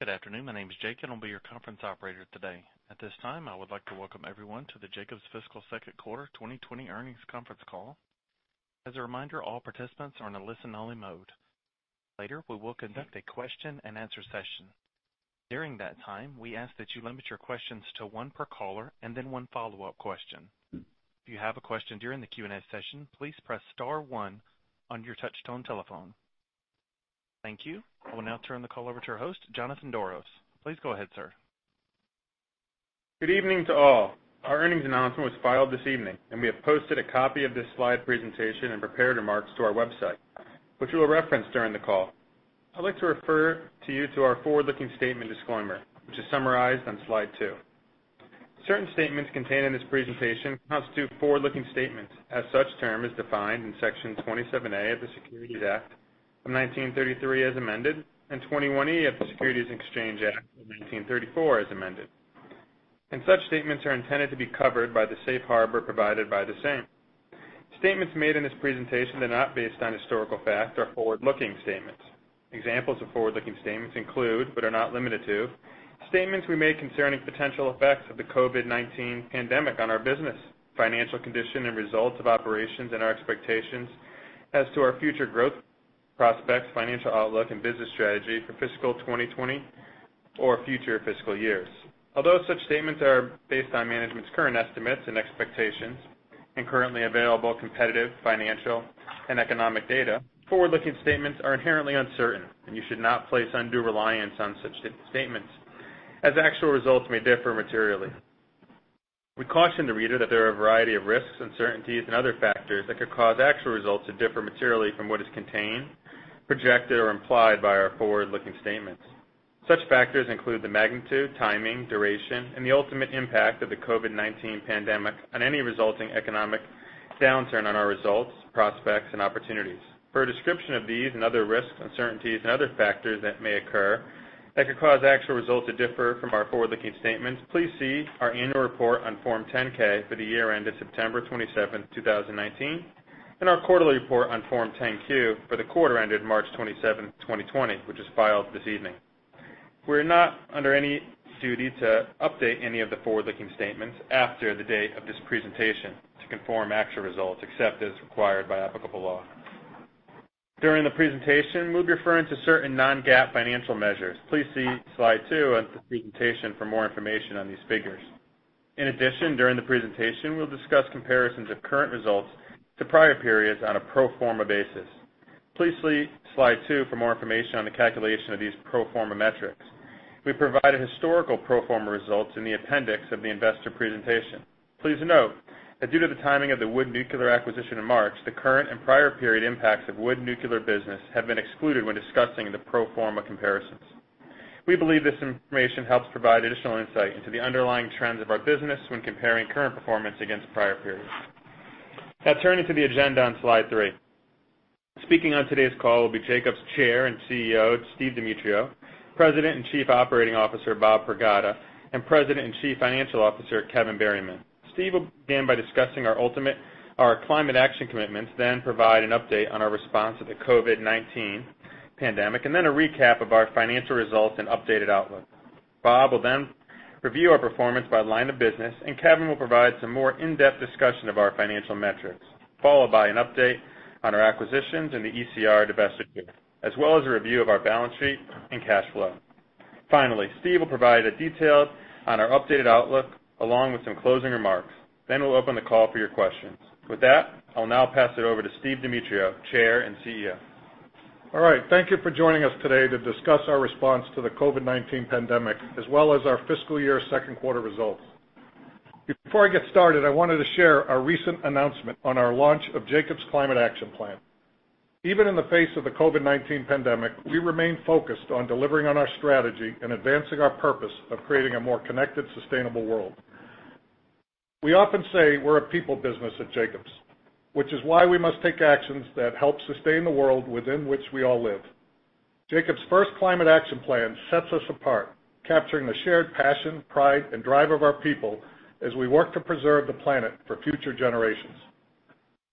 Good afternoon. My name is Jacob. I'll be your conference operator today. At this time, I would like to welcome everyone to the Jacobs Fiscal Second Quarter 2020 Earnings Conference Call. As a reminder, all participants are in a listen-only mode. Later, we will conduct a question-and-answer session. During that time, we ask that you limit your questions to one per caller and then one follow-up question. If you have a question during the Q&A session, please press star one on your touch-tone telephone. Thank you. I will now turn the call over to our host, Jonathan Doros. Please go ahead, sir. Good evening to all. Our earnings announcement was filed this evening, and we have posted a copy of this slide presentation and prepared remarks to our website, which we will reference during the call. I'd like to refer you to our forward-looking statement disclaimer, which is summarized on slide two. Certain statements contained in this presentation constitute forward-looking statements, as such term is defined in Section 27A of the Securities Act of 1933, as amended, and Section 21E of the Securities and Exchange Act of 1934, as amended, and such statements are intended to be covered by the safe harbor provided by the same. Statements made in this presentation are not based on historical fact or forward-looking statements. Examples of forward-looking statements include, but are not limited to, statements we make concerning potential effects of the COVID-19 pandemic on our business, financial condition, and results of operations and our expectations as to our future growth prospects, financial outlook, and business strategy for fiscal 2020 or future fiscal years. Although such statements are based on management's current estimates and expectations and currently available competitive financial and economic data, forward-looking statements are inherently uncertain, and you should not place undue reliance on such statements, as actual results may differ materially. We caution the reader that there are a variety of risks, uncertainties, and other factors that could cause actual results to differ materially from what is contained, projected, or implied by our forward-looking statements. Such factors include the magnitude, timing, duration, and the ultimate impact of the COVID-19 pandemic on any resulting economic downturn on our results, prospects, and opportunities. For a description of these and other risks, uncertainties, and other factors that may occur that could cause actual results to differ from our forward-looking statements, please see our annual report on Form 10-K for the year ended September 27, 2019, and our quarterly report on Form 10-Q for the quarter ended March 27, 2020, which was filed this evening. We are not under any duty to update any of the forward-looking statements after the date of this presentation to conform to actual results, except as required by applicable law. During the presentation, we'll be referring to certain non-GAAP financial measures. Please see slide two of the presentation for more information on these figures. In addition, during the presentation, we'll discuss comparisons of current results to prior periods on a pro forma basis. Please see slide two for more information on the calculation of these pro forma metrics. We provide a historical pro forma result in the appendix of the investor presentation. Please note that due to the timing of the Wood Nuclear acquisition in March, the current and prior period impacts of Wood Nuclear business have been excluded when discussing the pro forma comparisons. We believe this information helps provide additional insight into the underlying trends of our business when comparing current performance against prior periods. Now, turning to the agenda on slide three. Speaking on today's call will be Jacobs' Chair and CEO, Steve Demetriou, President and Chief Operating Officer, Bob Pragada, and President and Chief Financial Officer, Kevin Berryman. Steve will begin by discussing our climate action commitments, then provide an update on our response to the COVID-19 pandemic, and then a recap of our financial results and updated outlook. Bob will then review our performance by line of business, and Kevin will provide some more in-depth discussion of our financial metrics, followed by an update on our acquisitions and the ECR divestiture, as well as a review of our balance sheet and cash flow. Finally, Steve will provide details on our updated outlook along with some closing remarks. Then we'll open the call for your questions. With that, I'll now pass it over to Steve Demetriou, Chair and CEO. All right. Thank you for joining us today to discuss our response to the COVID-19 pandemic, as well as our fiscal year second quarter results. Before I get started, I wanted to share a recent announcement on our launch of Jacobs Climate Action Plan. Even in the face of the COVID-19 pandemic, we remain focused on delivering on our strategy and advancing our purpose of creating a more connected, sustainable world. We often say we're a people business at Jacobs, which is why we must take actions that help sustain the world within which we all live. Jacobs' first climate action plan sets us apart, capturing the shared passion, pride, and drive of our people as we work to preserve the planet for future generations.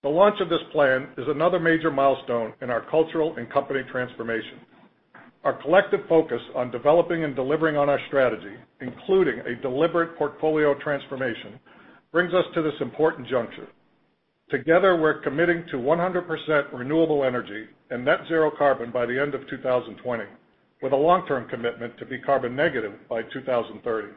The launch of this plan is another major milestone in our cultural and company transformation. Our collective focus on developing and delivering on our strategy, including a deliberate portfolio transformation, brings us to this important juncture. Together, we're committing to 100% renewable energy and net zero carbon by the end of 2020, with a long-term commitment to be carbon negative by 2030.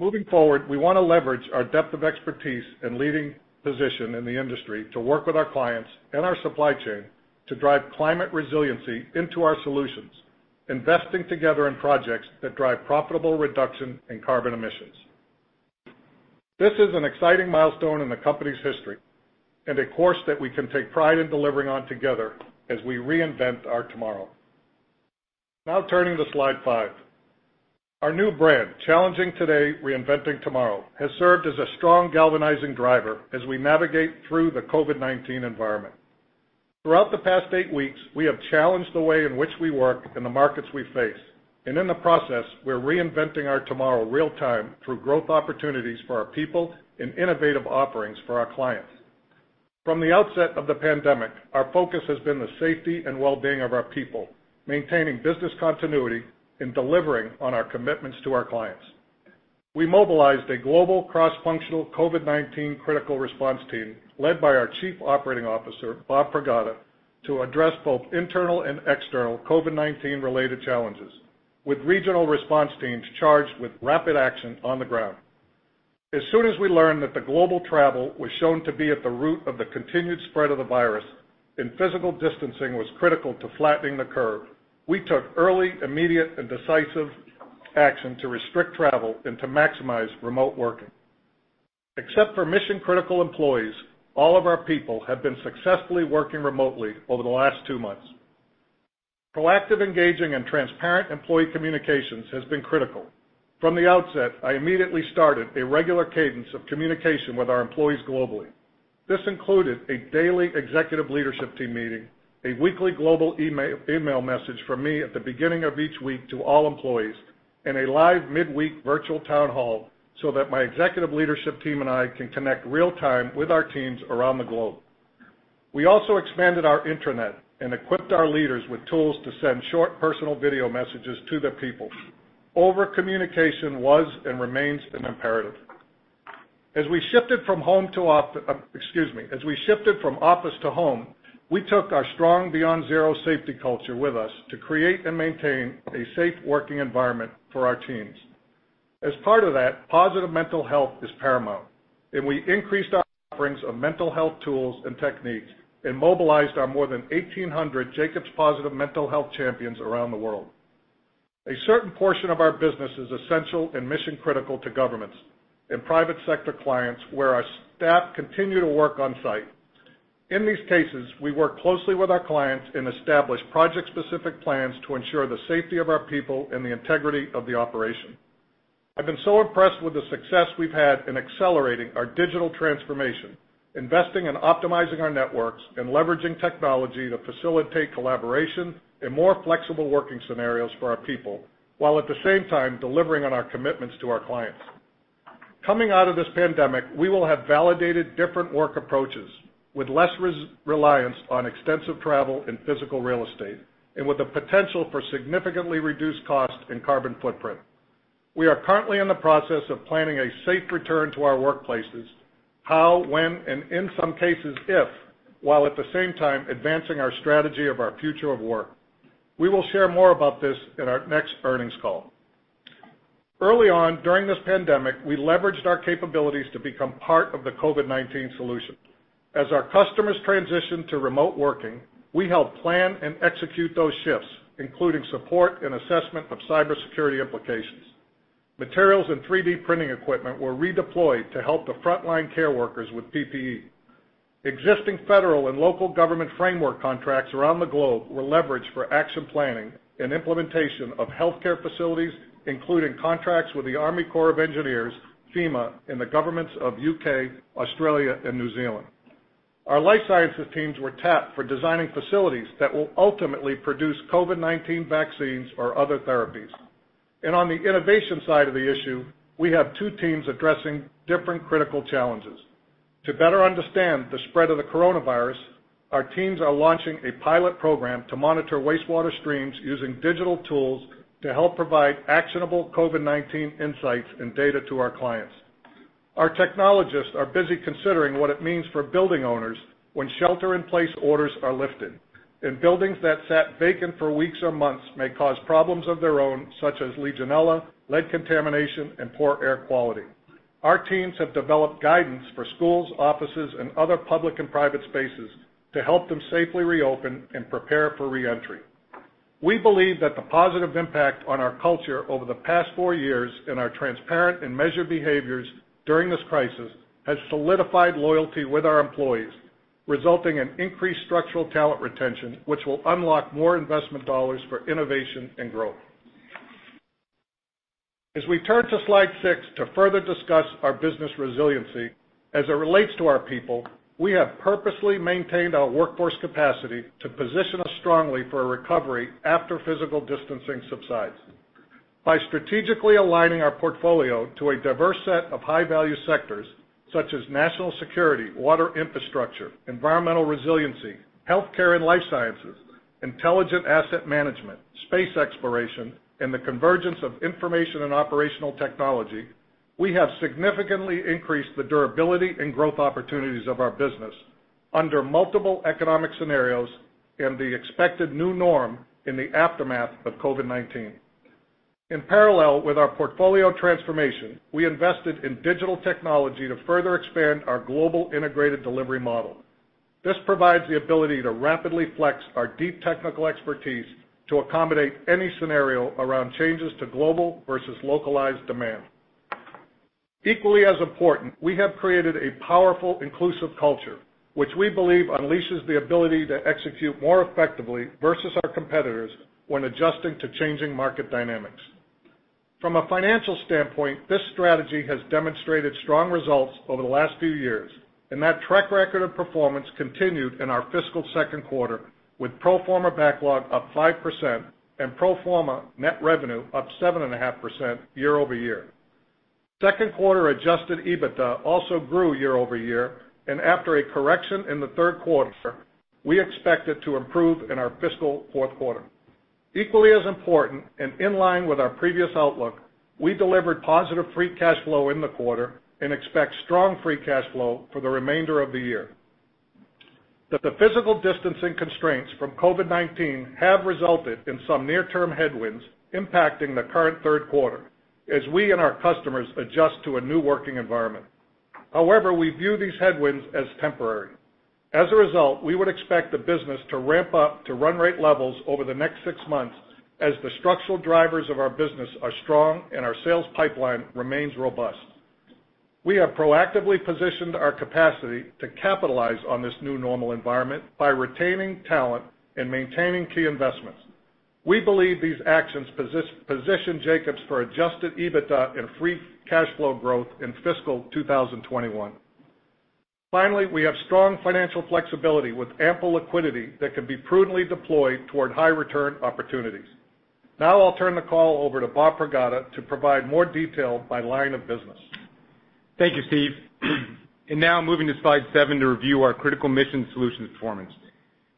Moving forward, we want to leverage our depth of expertise and leading position in the industry to work with our clients and our supply chain to drive climate resiliency into our solutions, investing together in projects that drive profitable reduction in carbon emissions. This is an exciting milestone in the company's history and a course that we can take pride in delivering on together as we reinvent our tomorrow. Now, turning to slide five. Our new brand, Challenging Today, Reinventing Tomorrow, has served as a strong galvanizing driver as we navigate through the COVID-19 environment. Throughout the past eight weeks, we have challenged the way in which we work in the markets we face, and in the process, we're reinventing our tomorrow real-time through growth opportunities for our people and innovative offerings for our clients. From the outset of the pandemic, our focus has been the safety and well-being of our people, maintaining business continuity, and delivering on our commitments to our clients. We mobilized a global cross-functional COVID-19 critical response team led by our Chief Operating Officer, Bob Pragada, to address both internal and external COVID-19-related challenges, with regional response teams charged with rapid action on the ground. As soon as we learned that the global travel was shown to be at the root of the continued spread of the virus and physical distancing was critical to flattening the curve, we took early, immediate, and decisive action to restrict travel and to maximize remote working. Except for mission-critical employees, all of our people have been successfully working remotely over the last two months. Proactive engaging and transparent employee communications have been critical. From the outset, I immediately started a regular cadence of communication with our employees globally. This included a daily executive leadership team meeting, a weekly global email message from me at the beginning of each week to all employees, and a live midweek virtual town hall so that my executive leadership team and I can connect real-time with our teams around the globe. We also expanded our intranet and equipped our leaders with tools to send short personal video messages to the people. Over-communication was and remains an imperative. As we shifted from home to office, excuse me, as we shifted from office to home, we took our strong Beyond Zero safety culture with us to create and maintain a safe working environment for our teams. As part of that, positive mental health is paramount, and we increased our offerings of mental health tools and techniques and mobilized our more than 1,800 Jacobs Positive Mental Health Champions around the world. A certain portion of our business is essential and mission-critical to governments and private sector clients where our staff continue to work on-site. In these cases, we work closely with our clients and establish project-specific plans to ensure the safety of our people and the integrity of the operation. I've been so impressed with the success we've had in accelerating our digital transformation, investing and optimizing our networks, and leveraging technology to facilitate collaboration and more flexible working scenarios for our people, while at the same time delivering on our commitments to our clients. Coming out of this pandemic, we will have validated different work approaches with less reliance on extensive travel and physical real estate, and with the potential for significantly reduced cost and carbon footprint. We are currently in the process of planning a safe return to our workplaces (how, when, and in some cases, if) while at the same time advancing our strategy of our future of work. We will share more about this in our next earnings call. Early on during this pandemic, we leveraged our capabilities to become part of the COVID-19 solution. As our customers transitioned to remote working, we helped plan and execute those shifts, including support and assessment of cybersecurity implications. Materials and 3D printing equipment were redeployed to help the frontline care workers with PPE. Existing federal and local government framework contracts around the globe were leveraged for action planning and implementation of healthcare facilities, including contracts with the Army Corps of Engineers, FEMA, and the governments of the U.K., Australia, and New Zealand. Our life sciences teams were tapped for designing facilities that will ultimately produce COVID-19 vaccines or other therapies. And on the innovation side of the issue, we have two teams addressing different critical challenges. To better understand the spread of the coronavirus, our teams are launching a pilot program to monitor wastewater streams using digital tools to help provide actionable COVID-19 insights and data to our clients. Our technologists are busy considering what it means for building owners when shelter-in-place orders are lifted, and buildings that sat vacant for weeks or months may cause problems of their own, such as legionella, lead contamination, and poor air quality. Our teams have developed guidance for schools, offices, and other public and private spaces to help them safely reopen and prepare for reentry. We believe that the positive impact on our culture over the past four years and our transparent and measured behaviors during this crisis has solidified loyalty with our employees, resulting in increased structural talent retention, which will unlock more investment dollars for innovation and growth. As we turn to slide six to further discuss our business resiliency, as it relates to our people, we have purposely maintained our workforce capacity to position us strongly for a recovery after physical distancing subsides. By strategically aligning our portfolio to a diverse set of high-value sectors, such as national security, water infrastructure, environmental resiliency, healthcare and life sciences, intelligent asset management, space exploration, and the convergence of information and operational technology, we have significantly increased the durability and growth opportunities of our business under multiple economic scenarios and the expected new norm in the aftermath of COVID-19. In parallel with our portfolio transformation, we invested in digital technology to further expand our global integrated delivery model. This provides the ability to rapidly flex our deep technical expertise to accommodate any scenario around changes to global versus localized demand. Equally as important, we have created a powerful, inclusive culture, which we believe unleashes the ability to execute more effectively versus our competitors when adjusting to changing market dynamics. From a financial standpoint, this strategy has demonstrated strong results over the last few years, and that track record of performance continued in our fiscal second quarter, with pro forma backlog up 5% and pro forma net revenue up 7.5% year over year. Second quarter adjusted EBITDA also grew year over year, and after a correction in the third quarter, we expect it to improve in our fiscal fourth quarter. Equally as important and in line with our previous outlook, we delivered positive free cash flow in the quarter and expect strong free cash flow for the remainder of the year. The physical distancing constraints from COVID-19 have resulted in some near-term headwinds impacting the current third quarter as we and our customers adjust to a new working environment. However, we view these headwinds as temporary. As a result, we would expect the business to ramp up to run rate levels over the next six months as the structural drivers of our business are strong and our sales pipeline remains robust. We have proactively positioned our capacity to capitalize on this new normal environment by retaining talent and maintaining key investments. We believe these actions position Jacobs for Adjusted EBITDA and Free Cash Flow growth in fiscal 2021. Finally, we have strong financial flexibility with ample liquidity that can be prudently deployed toward high-return opportunities. Now, I'll turn the call over to Bob Pragada to provide more detail by line of business. Thank you, Steve. And now, moving to slide seven to review our Critical Mission Solutions performance.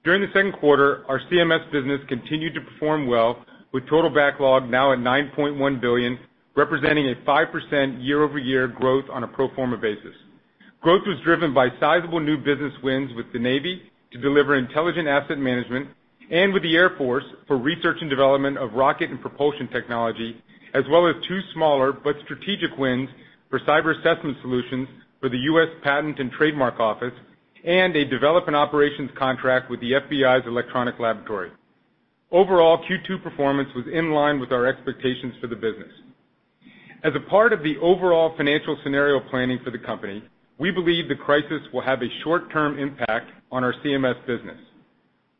During the second quarter, our CMS business continued to perform well, with total backlog now at $9.1 billion, representing a 5% year-over-year growth on a pro forma basis. Growth was driven by sizable new business wins with the Navy to deliver intelligent asset management and with the Air Force for research and development of rocket and propulsion technology, as well as two smaller but strategic wins for cyber assessment solutions for the U.S. Patent and Trademark Office and a development operations contract with the FBI's Electronics Laboratory. Overall, Q2 performance was in line with our expectations for the business. As a part of the overall financial scenario planning for the company, we believe the crisis will have a short-term impact on our CMS business,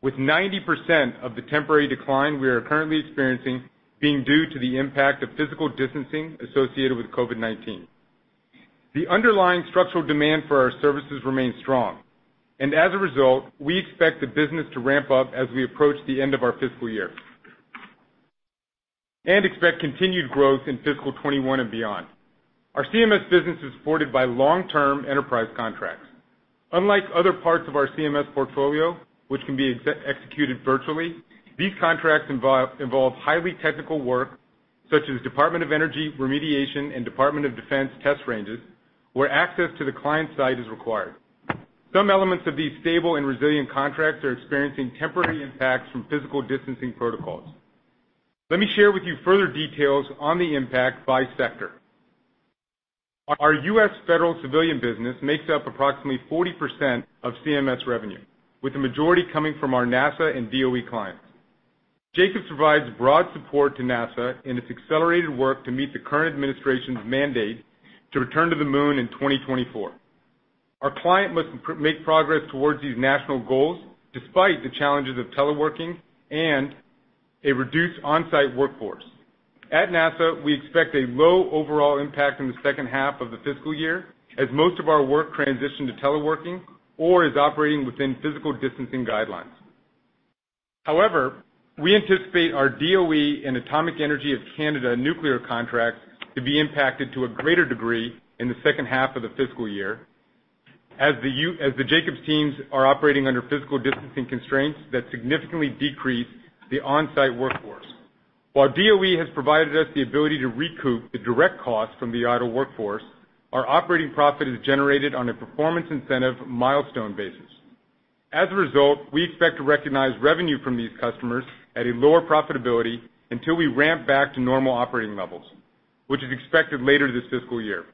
with 90% of the temporary decline we are currently experiencing being due to the impact of physical distancing associated with COVID-19. The underlying structural demand for our services remains strong, and as a result, we expect the business to ramp up as we approach the end of our fiscal year and expect continued growth in fiscal 2021 and beyond. Our CMS business is supported by long-term enterprise contracts. Unlike other parts of our CMS portfolio, which can be executed virtually, these contracts involve highly technical work, such as Department of Energy remediation and Department of Defense test ranges, where access to the client side is required. Some elements of these stable and resilient contracts are experiencing temporary impacts from physical distancing protocols. Let me share with you further details on the impact by sector. Our U.S. federal civilian business makes up approximately 40% of CMS revenue, with the majority coming from our NASA and DOE clients. Jacobs provides broad support to NASA in its accelerated work to meet the current administration's mandate to return to the moon in 2024. Our client must make progress towards these national goals despite the challenges of teleworking and a reduced on-site workforce. At NASA, we expect a low overall impact in the second half of the fiscal year as most of our work transitioned to teleworking or is operating within physical distancing guidelines. However, we anticipate our DOE and Atomic Energy of Canada nuclear contracts to be impacted to a greater degree in the second half of the fiscal year as the Jacobs teams are operating under physical distancing constraints that significantly decrease the on-site workforce. While DOE has provided us the ability to recoup the direct costs from the idle workforce, our operating profit is generated on a performance incentive milestone basis. As a result, we expect to recognize revenue from these customers at a lower profitability until we ramp back to normal operating levels, which is expected later this fiscal year.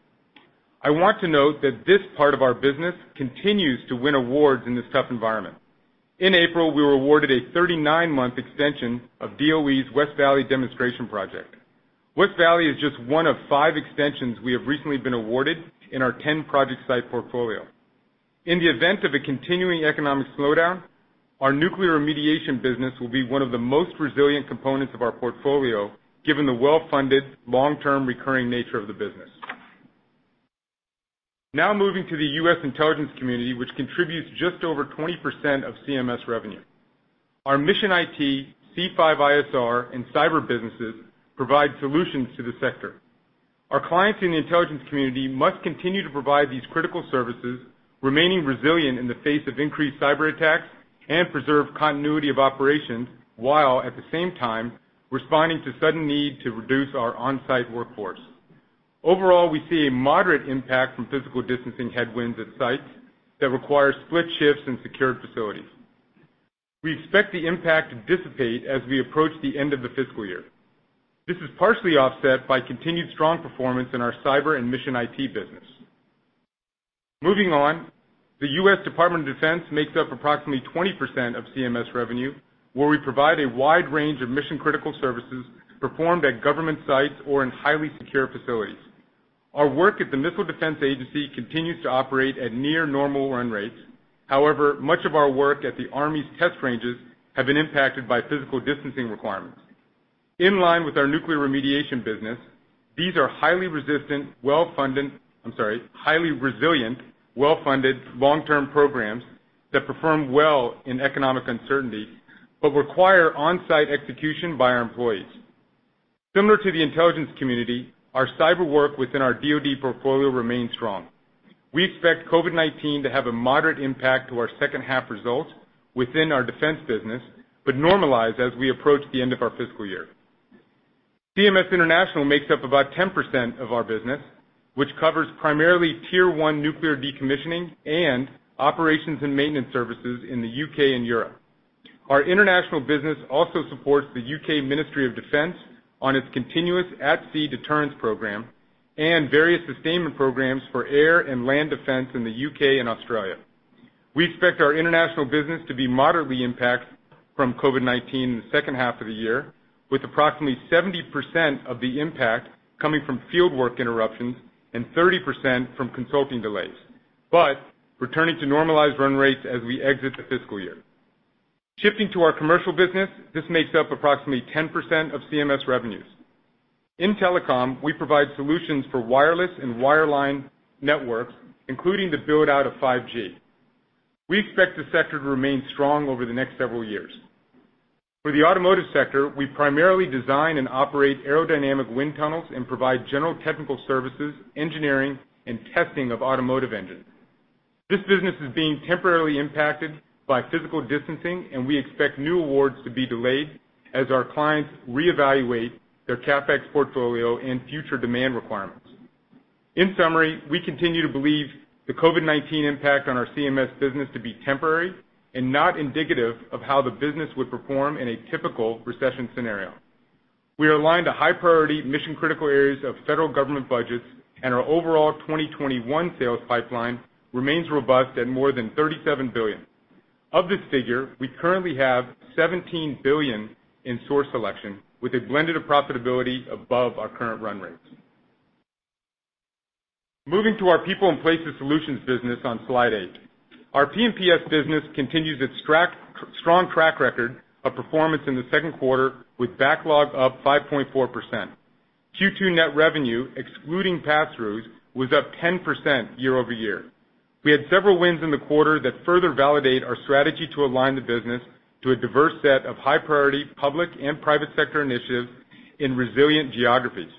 I want to note that this part of our business continues to win awards in this tough environment. In April, we were awarded a 39-month extension of DOE's West Valley Demonstration Project. West Valley is just one of five extensions we have recently been awarded in our 10-project site portfolio. In the event of a continuing economic slowdown, our nuclear remediation business will be one of the most resilient components of our portfolio given the well-funded, long-term recurring nature of the business. Now, moving to the U.S. Intelligence Community, which contributes just over 20% of CMS revenue. Our mission IT, C5ISR, and cyber businesses provide solutions to the sector. Our clients in the Intelligence Community must continue to provide these critical services, remaining resilient in the face of increased cyber attacks and preserve continuity of operations while, at the same time, responding to sudden need to reduce our on-site workforce. Overall, we see a moderate impact from physical distancing headwinds at sites that require split shifts in secured facilities. We expect the impact to dissipate as we approach the end of the fiscal year. This is partially offset by continued strong performance in our cyber and mission IT business. Moving on, the U.S. Department of Defense makes up approximately 20% of CMS revenue, where we provide a wide range of mission-critical services performed at government sites or in highly secure facilities. Our work at the Missile Defense Agency continues to operate at near-normal run rates. However, much of our work at the Army's test ranges has been impacted by physical distancing requirements. In line with our nuclear remediation business, these are highly resistant, well-funded, I'm sorry, highly resilient, well-funded long-term programs that perform well in economic uncertainty but require on-site execution by our employees. Similar to the Intelligence Community, our cyber work within our DOD portfolio remains strong. We expect COVID-19 to have a moderate impact on our second-half result within our defense business but normalize as we approach the end of our fiscal year. CMS International makes up about 10% of our business, which covers primarily tier-one nuclear decommissioning and operations and maintenance services in the U.K. and Europe. Our international business also supports the U.K. Ministry of Defense on its Continuous at-sea deterrence program and various sustainment programs for air and land defense in the U.K. and Australia. We expect our international business to be moderately impacted from COVID-19 in the second half of the year, with approximately 70% of the impact coming from fieldwork interruptions and 30% from consulting delays, but returning to normalized run rates as we exit the fiscal year. Shifting to our commercial business, this makes up approximately 10% of CMS revenues. In telecom, we provide solutions for wireless and wireline networks, including the build-out of 5G. We expect the sector to remain strong over the next several years. For the automotive sector, we primarily design and operate aerodynamic wind tunnels and provide general technical services, engineering, and testing of automotive engines. This business is being temporarily impacted by physical distancing, and we expect new awards to be delayed as our clients reevaluate their CapEx portfolio and future demand requirements. In summary, we continue to believe the COVID-19 impact on our CMS business to be temporary and not indicative of how the business would perform in a typical recession scenario. We are aligned to high-priority mission-critical areas of federal government budgets, and our overall 2021 sales pipeline remains robust at more than $37 billion. Of this figure, we currently have $17 billion in source selection, with a blended profitability above our current run rates. Moving to our people and places solutions business on slide eight. Our P&PS business continues its strong track record of performance in the second quarter, with backlog up 5.4%. Q2 net revenue, excluding pass-throughs, was up 10% year over year. We had several wins in the quarter that further validate our strategy to align the business to a diverse set of high-priority public and private sector initiatives in resilient geographies.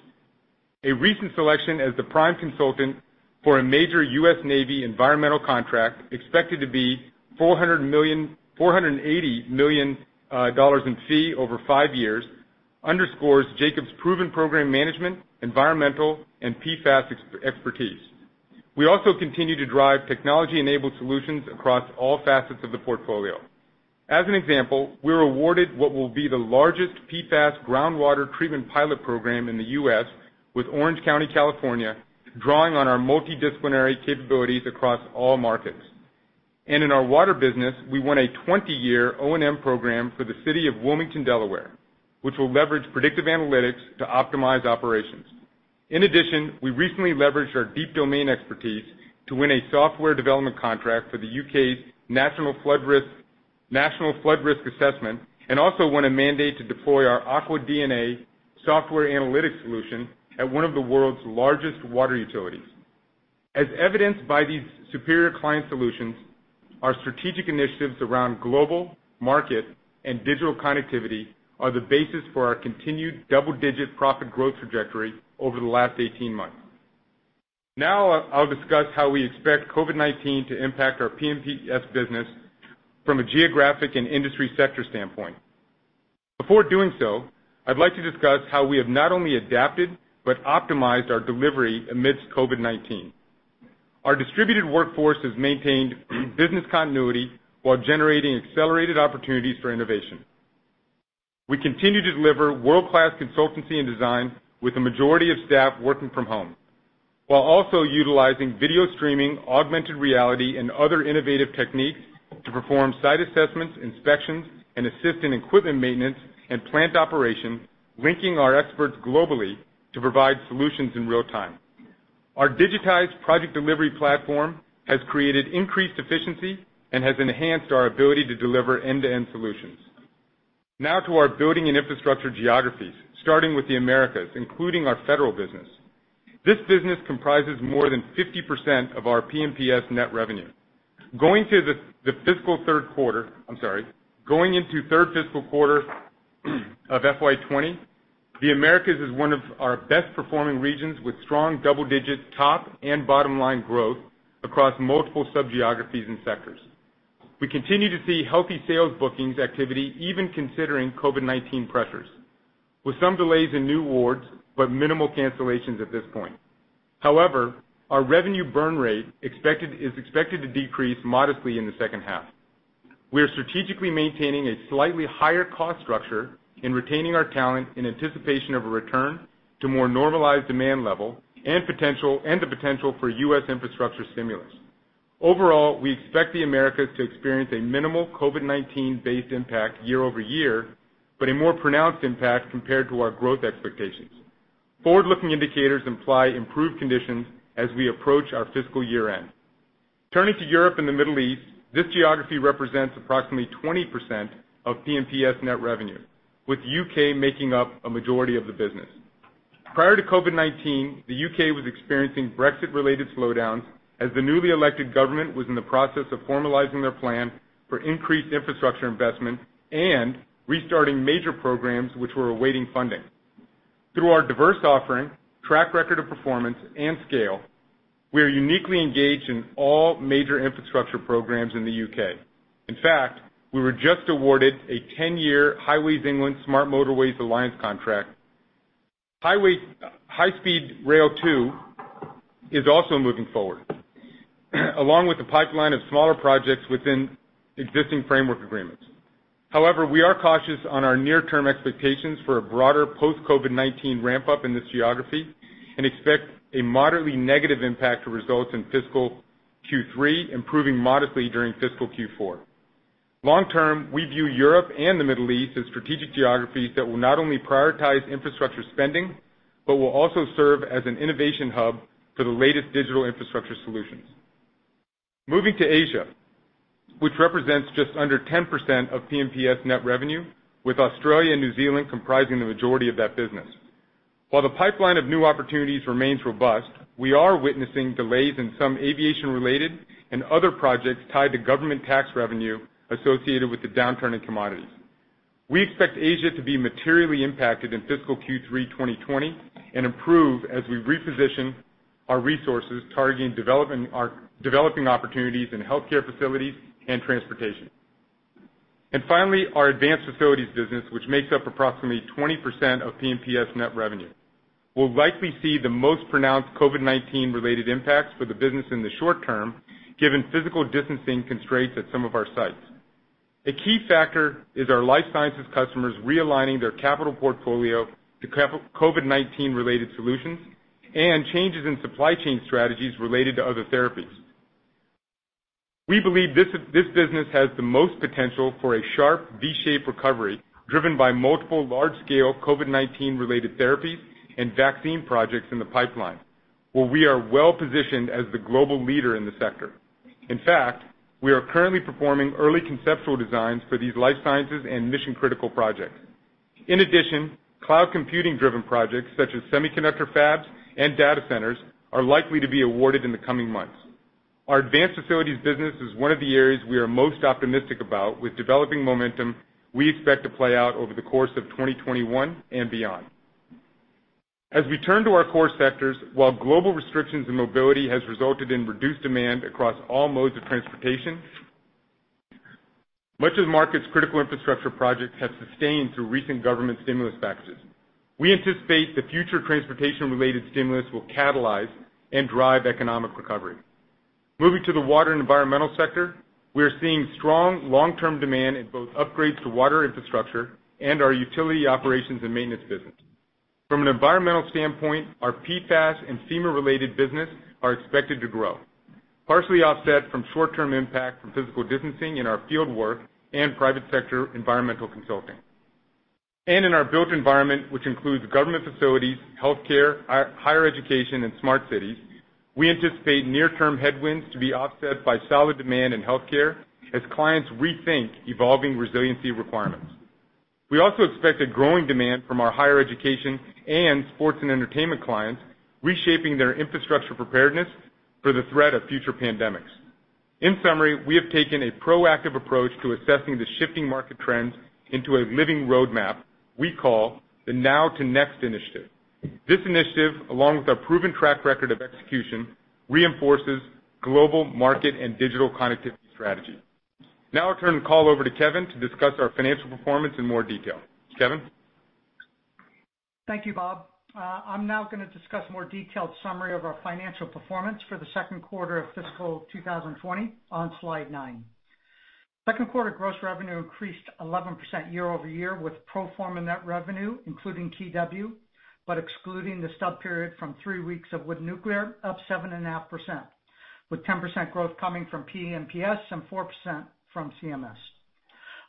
A recent selection as the prime consultant for a major U.S. Navy environmental contract expected to be $480 million in fee over five years underscores Jacobs' proven program management, environmental, and PFAS expertise. We also continue to drive technology-enabled solutions across all facets of the portfolio. As an example, we were awarded what will be the largest PFAS groundwater treatment pilot program in the U.S., with Orange County, California, drawing on our multidisciplinary capabilities across all markets. And in our water business, we won a 20-year O&M program for the city of Wilmington, Delaware, which will leverage predictive analytics to optimize operations. In addition, we recently leveraged our deep domain expertise to win a software development contract for the U.K.'s National Flood Risk Assessment and also won a mandate to deploy our AquaDNA software analytics solution at one of the world's largest water utilities. As evidenced by these superior client solutions, our strategic initiatives around global market and digital connectivity are the basis for our continued double-digit profit growth trajectory over the last 18 months. Now, I'll discuss how we expect COVID-19 to impact our P&PS business from a geographic and industry sector standpoint. Before doing so, I'd like to discuss how we have not only adapted but optimized our delivery amidst COVID-19. Our distributed workforce has maintained business continuity while generating accelerated opportunities for innovation. We continue to deliver world-class consultancy and design with a majority of staff working from home, while also utilizing video streaming, augmented reality, and other innovative techniques to perform site assessments, inspections, and assist in equipment maintenance and plant operation, linking our experts globally to provide solutions in real time. Our digitized project delivery platform has created increased efficiency and has enhanced our ability to deliver end-to-end solutions. Now, to our building and infrastructure geographies, starting with the Americas, including our federal business. This business comprises more than 50% of our P&PS net revenue. Going to the fiscal third quarter, I'm sorry, going into third fiscal quarter of FY20, the Americas is one of our best-performing regions with strong double-digit top and bottom-line growth across multiple sub-geographies and sectors. We continue to see healthy sales bookings activity, even considering COVID-19 pressures, with some delays in new awards but minimal cancellations at this point. However, our revenue burn rate is expected to decrease modestly in the second half. We are strategically maintaining a slightly higher cost structure in retaining our talent in anticipation of a return to more normalized demand level and the potential for U.S. infrastructure stimulus. Overall, we expect the Americas to experience a minimal COVID-19-based impact year over year, but a more pronounced impact compared to our growth expectations. Forward-looking indicators imply improved conditions as we approach our fiscal year-end. Turning to Europe and the Middle East, this geography represents approximately 20% of P&PS net revenue, with the U.K. making up a majority of the business. Prior to COVID-19, the UK was experiencing Brexit-related slowdowns as the newly elected government was in the process of formalizing their plan for increased infrastructure investment and restarting major programs which were awaiting funding. Through our diverse offering, track record of performance, and scale, we are uniquely engaged in all major infrastructure programs in the UK. In fact, we were just awarded a 10-year Highways England Smart Motorways Alliance contract. HS2 is also moving forward, along with a pipeline of smaller projects within existing framework agreements. However, we are cautious on our near-term expectations for a broader post-COVID-19 ramp-up in this geography and expect a moderately negative impact to results in fiscal Q3, improving modestly during fiscal Q4. Long-term, we view Europe and the Middle East as strategic geographies that will not only prioritize infrastructure spending but will also serve as an innovation hub for the latest digital infrastructure solutions. Moving to Asia, which represents just under 10% of P&PS net revenue, with Australia and New Zealand comprising the majority of that business. While the pipeline of new opportunities remains robust, we are witnessing delays in some aviation-related and other projects tied to government tax revenue associated with the downturn in commodities. We expect Asia to be materially impacted in fiscal Q3 2020 and improve as we reposition our resources targeting developing opportunities in healthcare facilities and transportation, and finally, our advanced facilities business, which makes up approximately 20% of P&PS net revenue, will likely see the most pronounced COVID-19-related impacts for the business in the short term, given physical distancing constraints at some of our sites. A key factor is our life sciences customers realigning their capital portfolio to COVID-19-related solutions and changes in supply chain strategies related to other therapies. We believe this business has the most potential for a sharp V-shaped recovery driven by multiple large-scale COVID-19-related therapies and vaccine projects in the pipeline, where we are well-positioned as the global leader in the sector. In fact, we are currently performing early conceptual designs for these life sciences and mission-critical projects. In addition, cloud computing-driven projects such as semiconductor fabs and data centers are likely to be awarded in the coming months. Our advanced facilities business is one of the areas we are most optimistic about, with developing momentum we expect to play out over the course of 2021 and beyond. As we turn to our core sectors, while global restrictions in mobility have resulted in reduced demand across all modes of transportation, much of the market's critical infrastructure projects have sustained through recent government stimulus packages. We anticipate the future transportation-related stimulus will catalyze and drive economic recovery. Moving to the water and environmental sector, we are seeing strong long-term demand in both upgrades to water infrastructure and our utility operations and maintenance business. From an environmental standpoint, our PFAS and FEMA-related business are expected to grow, partially offset from short-term impact from physical distancing in our fieldwork and private sector environmental consulting, and in our built environment, which includes government facilities, healthcare, higher education, and smart cities, we anticipate near-term headwinds to be offset by solid demand in healthcare as clients rethink evolving resiliency requirements. We also expect a growing demand from our higher education and sports and entertainment clients, reshaping their infrastructure preparedness for the threat of future pandemics. In summary, we have taken a proactive approach to assessing the shifting market trends into a living roadmap we call the Now to Next Initiative. This initiative, along with our proven track record of execution, reinforces global market and digital connectivity strategy. Now, I'll turn the call over to Kevin to discuss our financial performance in more detail. Kevin. Thank you, Bob. I'm now going to discuss a more detailed summary of our financial performance for the second quarter of fiscal 2020 on slide nine. Second quarter gross revenue increased 11% year over year with pro forma net revenue, including KeyW, but excluding the sub-period from three weeks of Wood Nuclear, up 7.5%, with 10% growth coming from P&PS and 4% from CMS.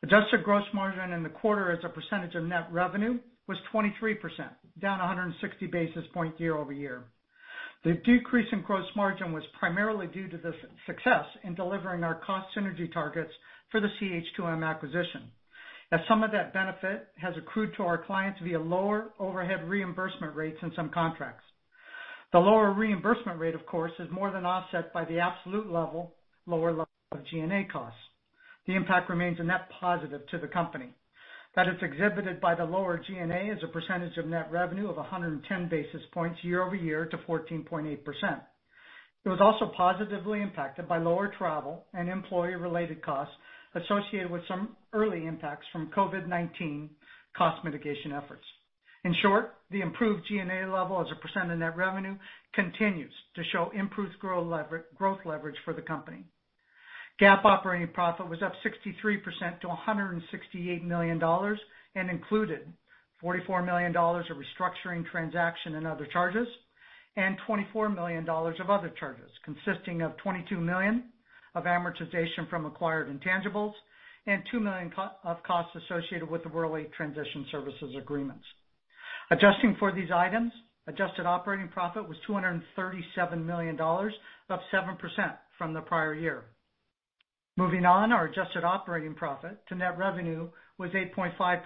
Adjusted gross margin in the quarter as a percentage of net revenue was 23%, down 160 basis points year over year. The decrease in gross margin was primarily due to the success in delivering our cost synergy targets for the CH2M acquisition, as some of that benefit has accrued to our clients via lower overhead reimbursement rates in some contracts. The lower reimbursement rate, of course, is more than offset by the absolute lower level of G&A costs. The impact remains a net positive to the company. That is exhibited by the lower G&A as a percentage of net revenue of 110 basis points year over year to 14.8%. It was also positively impacted by lower travel and employee-related costs associated with some early impacts from COVID-19 cost mitigation efforts. In short, the improved G&A level as a % of net revenue continues to show improved growth leverage for the company. GAAP operating profit was up 63% to $168 million and included $44 million of restructuring transaction and other charges and $24 million of other charges, consisting of $22 million of amortization from acquired intangibles and $2 million of costs associated with the Worley Transition Services Agreements. Adjusting for these items, adjusted operating profit was $237 million, up 7% from the prior year. Moving on, our adjusted operating profit to net revenue was 8.5%,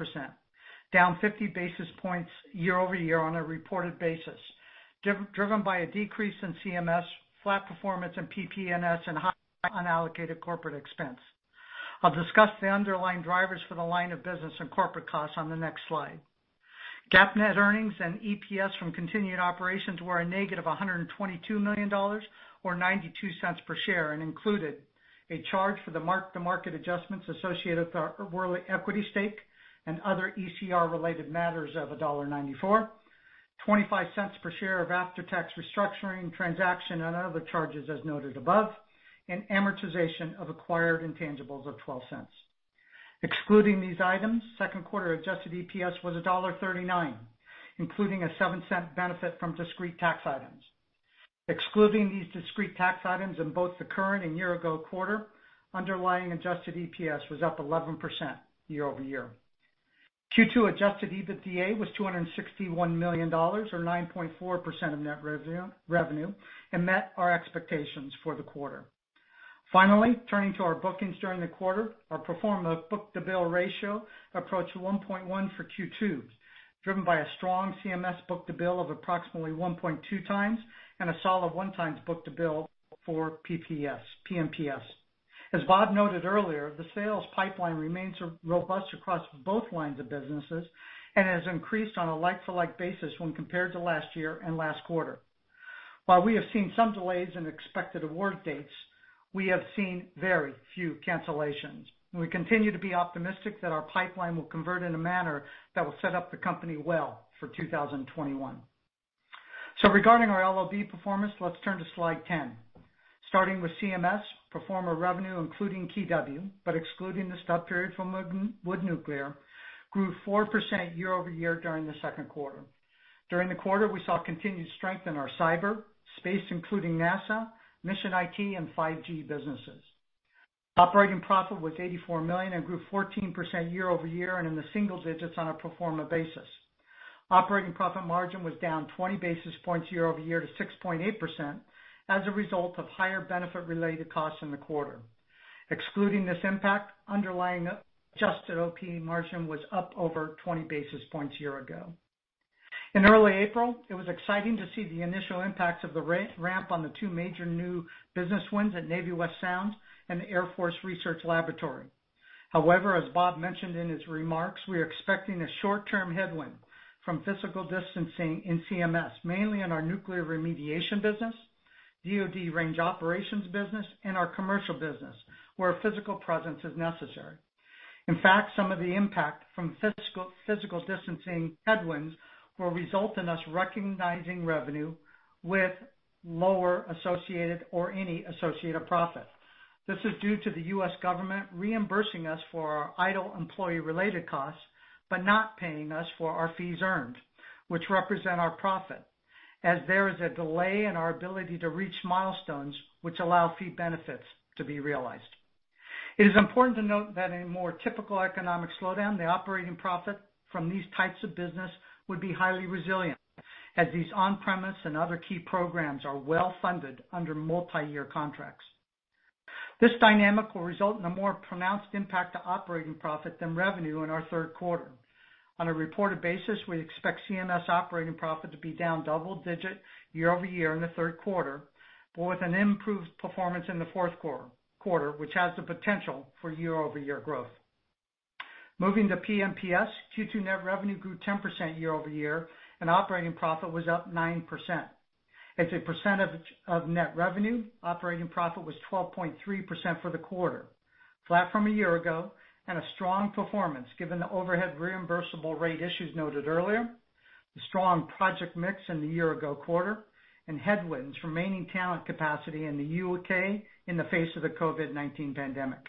down 50 basis points year over year on a reported basis, driven by a decrease in CMS, flat performance in P&PS, and high unallocated corporate expense. I'll discuss the underlying drivers for the line of business and corporate costs on the next slide. GAAP net earnings and EPS from continued operations were a negative $122 million, or $0.92 per share, and included a charge for the mark-to-market adjustments associated with our Worley equity stake and other ECR-related matters of $194 million, $0.25 per share of after-tax restructuring transaction and other charges as noted above, and amortization of acquired intangibles of $0.12. Excluding these items, second quarter adjusted EPS was $1.39, including a $0.07 benefit from discrete tax items. Excluding these discrete tax items in both the current and year-ago quarter, underlying adjusted EPS was up 11% year over year. Q2 adjusted EBITDA was $261 million, or 9.4% of net revenue, and met our expectations for the quarter. Finally, turning to our bookings during the quarter, our performance book-to-bill ratio approached 1.1 for Q2, driven by a strong CMS book-to-bill of approximately 1.2 times and a solid 1 times book-to-bill for P&PS. As Bob noted earlier, the sales pipeline remains robust across both lines of businesses and has increased on a like-for-like basis when compared to last year and last quarter. While we have seen some delays in expected award dates, we have seen very few cancellations. We continue to be optimistic that our pipeline will convert in a manner that will set up the company well for 2021. So regarding our LOB performance, let's turn to slide 10. Starting with CMS, pro forma revenue, including KeyW, but excluding the sub-period from Wood Nuclear, grew 4% year over year during the second quarter. During the quarter, we saw continued strength in our cyberspace, including NASA, Mission IT, and 5G businesses. Operating profit was $84 million and grew 14% year over year and in the single digits on a pro forma basis. Operating profit margin was down 20 basis points year over year to 6.8% as a result of higher benefit-related costs in the quarter. Excluding this impact, underlying adjusted OP margin was up over 20 basis points year ago. In early April, it was exciting to see the initial impacts of the ramp on the two major new business wins at Navy West Sound and Air Force Research Laboratory. However, as Bob mentioned in his remarks, we are expecting a short-term headwind from physical distancing in CMS, mainly in our nuclear remediation business, DOD range operations business, and our commercial business, where a physical presence is necessary. In fact, some of the impact from physical distancing headwinds will result in us recognizing revenue with lower associated or any associated profit. This is due to the U.S. government reimbursing us for our idle employee-related costs but not paying us for our fees earned, which represent our profit, as there is a delay in our ability to reach milestones which allow fee benefits to be realized. It is important to note that in a more typical economic slowdown, the operating profit from these types of businesses would be highly resilient, as these on-premise and other key programs are well-funded under multi-year contracts. This dynamic will result in a more pronounced impact to operating profit than revenue in our third quarter. On a reported basis, we expect CMS operating profit to be down double-digit year over year in the third quarter, but with an improved performance in the fourth quarter, which has the potential for year-over-year growth. Moving to P&PS, Q2 net revenue grew 10% year over year, and operating profit was up 9%. As a percent of net revenue, operating profit was 12.3% for the quarter, flat from a year ago, and a strong performance given the overhead reimbursable rate issues noted earlier, the strong project mix in the year-ago quarter, and headwinds remaining talent capacity in the U.K. in the face of the COVID-19 pandemic.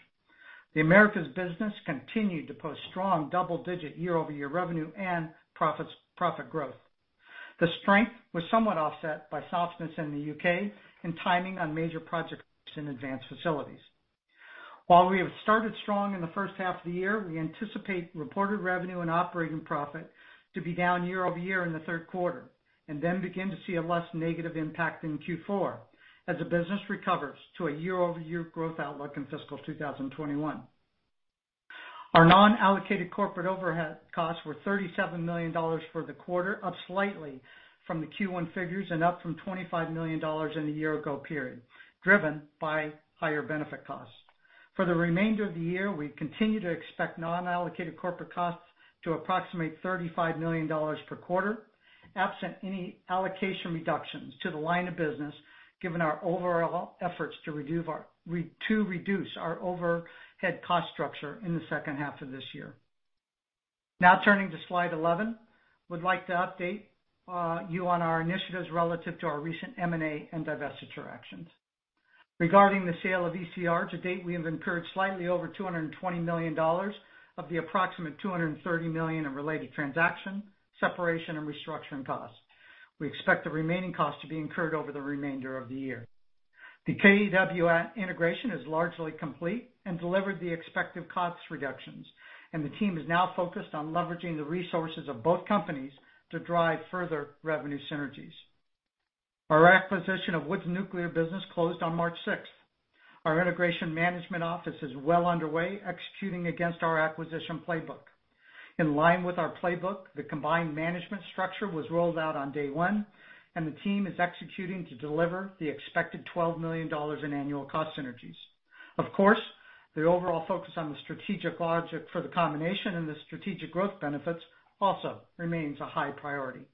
The Americas business continued to post strong double-digit year-over-year revenue and profit growth. The strength was somewhat offset by softness in the U.K. and timing on major projects in advanced facilities. While we have started strong in the first half of the year, we anticipate reported revenue and operating profit to be down year over year in the third quarter and then begin to see a less negative impact in Q4 as the business recovers to a year-over-year growth outlook in fiscal 2021. Our non-allocated corporate overhead costs were $37 million for the quarter, up slightly from the Q1 figures and up from $25 million in the year-ago period, driven by higher benefit costs. For the remainder of the year, we continue to expect non-allocated corporate costs to approximate $35 million per quarter, absent any allocation reductions to the line of business, given our overall efforts to reduce our overhead cost structure in the second half of this year. Now, turning to slide 11, I would like to update you on our initiatives relative to our recent M&A and divestiture actions. Regarding the sale of ECR, to date, we have incurred slightly over $220 million of the approximate $230 million in related transaction separation and restructuring costs. We expect the remaining costs to be incurred over the remainder of the year. The KeyW integration is largely complete and delivered the expected cost reductions, and the team is now focused on leveraging the resources of both companies to drive further revenue synergies. Our acquisition of Wood nuclear business closed on March 6th. Our integration management office is well underway, executing against our acquisition playbook. In line with our playbook, the combined management structure was rolled out on day one, and the team is executing to deliver the expected $12 million in annual cost synergies. Of course, the overall focus on the strategic logic for the combination and the strategic growth benefits also remains a high priority.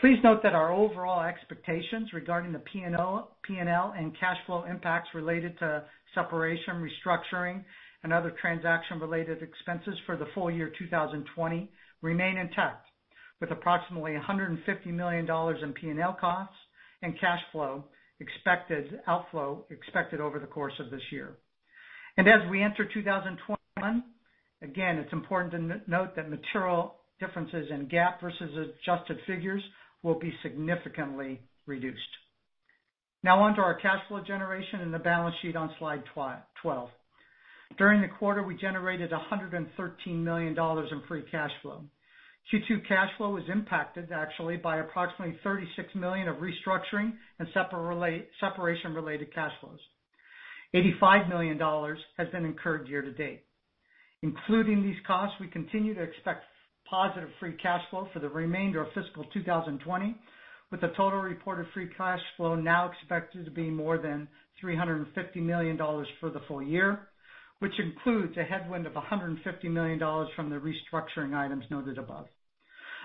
Please note that our overall expectations regarding the P&L and cash flow impacts related to separation, restructuring, and other transaction-related expenses for the full year 2020 remain intact, with approximately $150 million in P&L costs and cash flow expected outflow over the course of this year. As we enter 2021, again, it is important to note that material differences in GAAP versus adjusted figures will be significantly reduced. Now, onto our cash flow generation and the balance sheet on slide 12. During the quarter, we generated $113 million in free cash flow. Q2 cash flow was impacted, actually, by approximately $36 million of restructuring and separation-related cash flows. $85 million has been incurred year to date. Including these costs, we continue to expect positive free cash flow for the remainder of fiscal 2020, with a total reported free cash flow now expected to be more than $350 million for the full year, which includes a headwind of $150 million from the restructuring items noted above.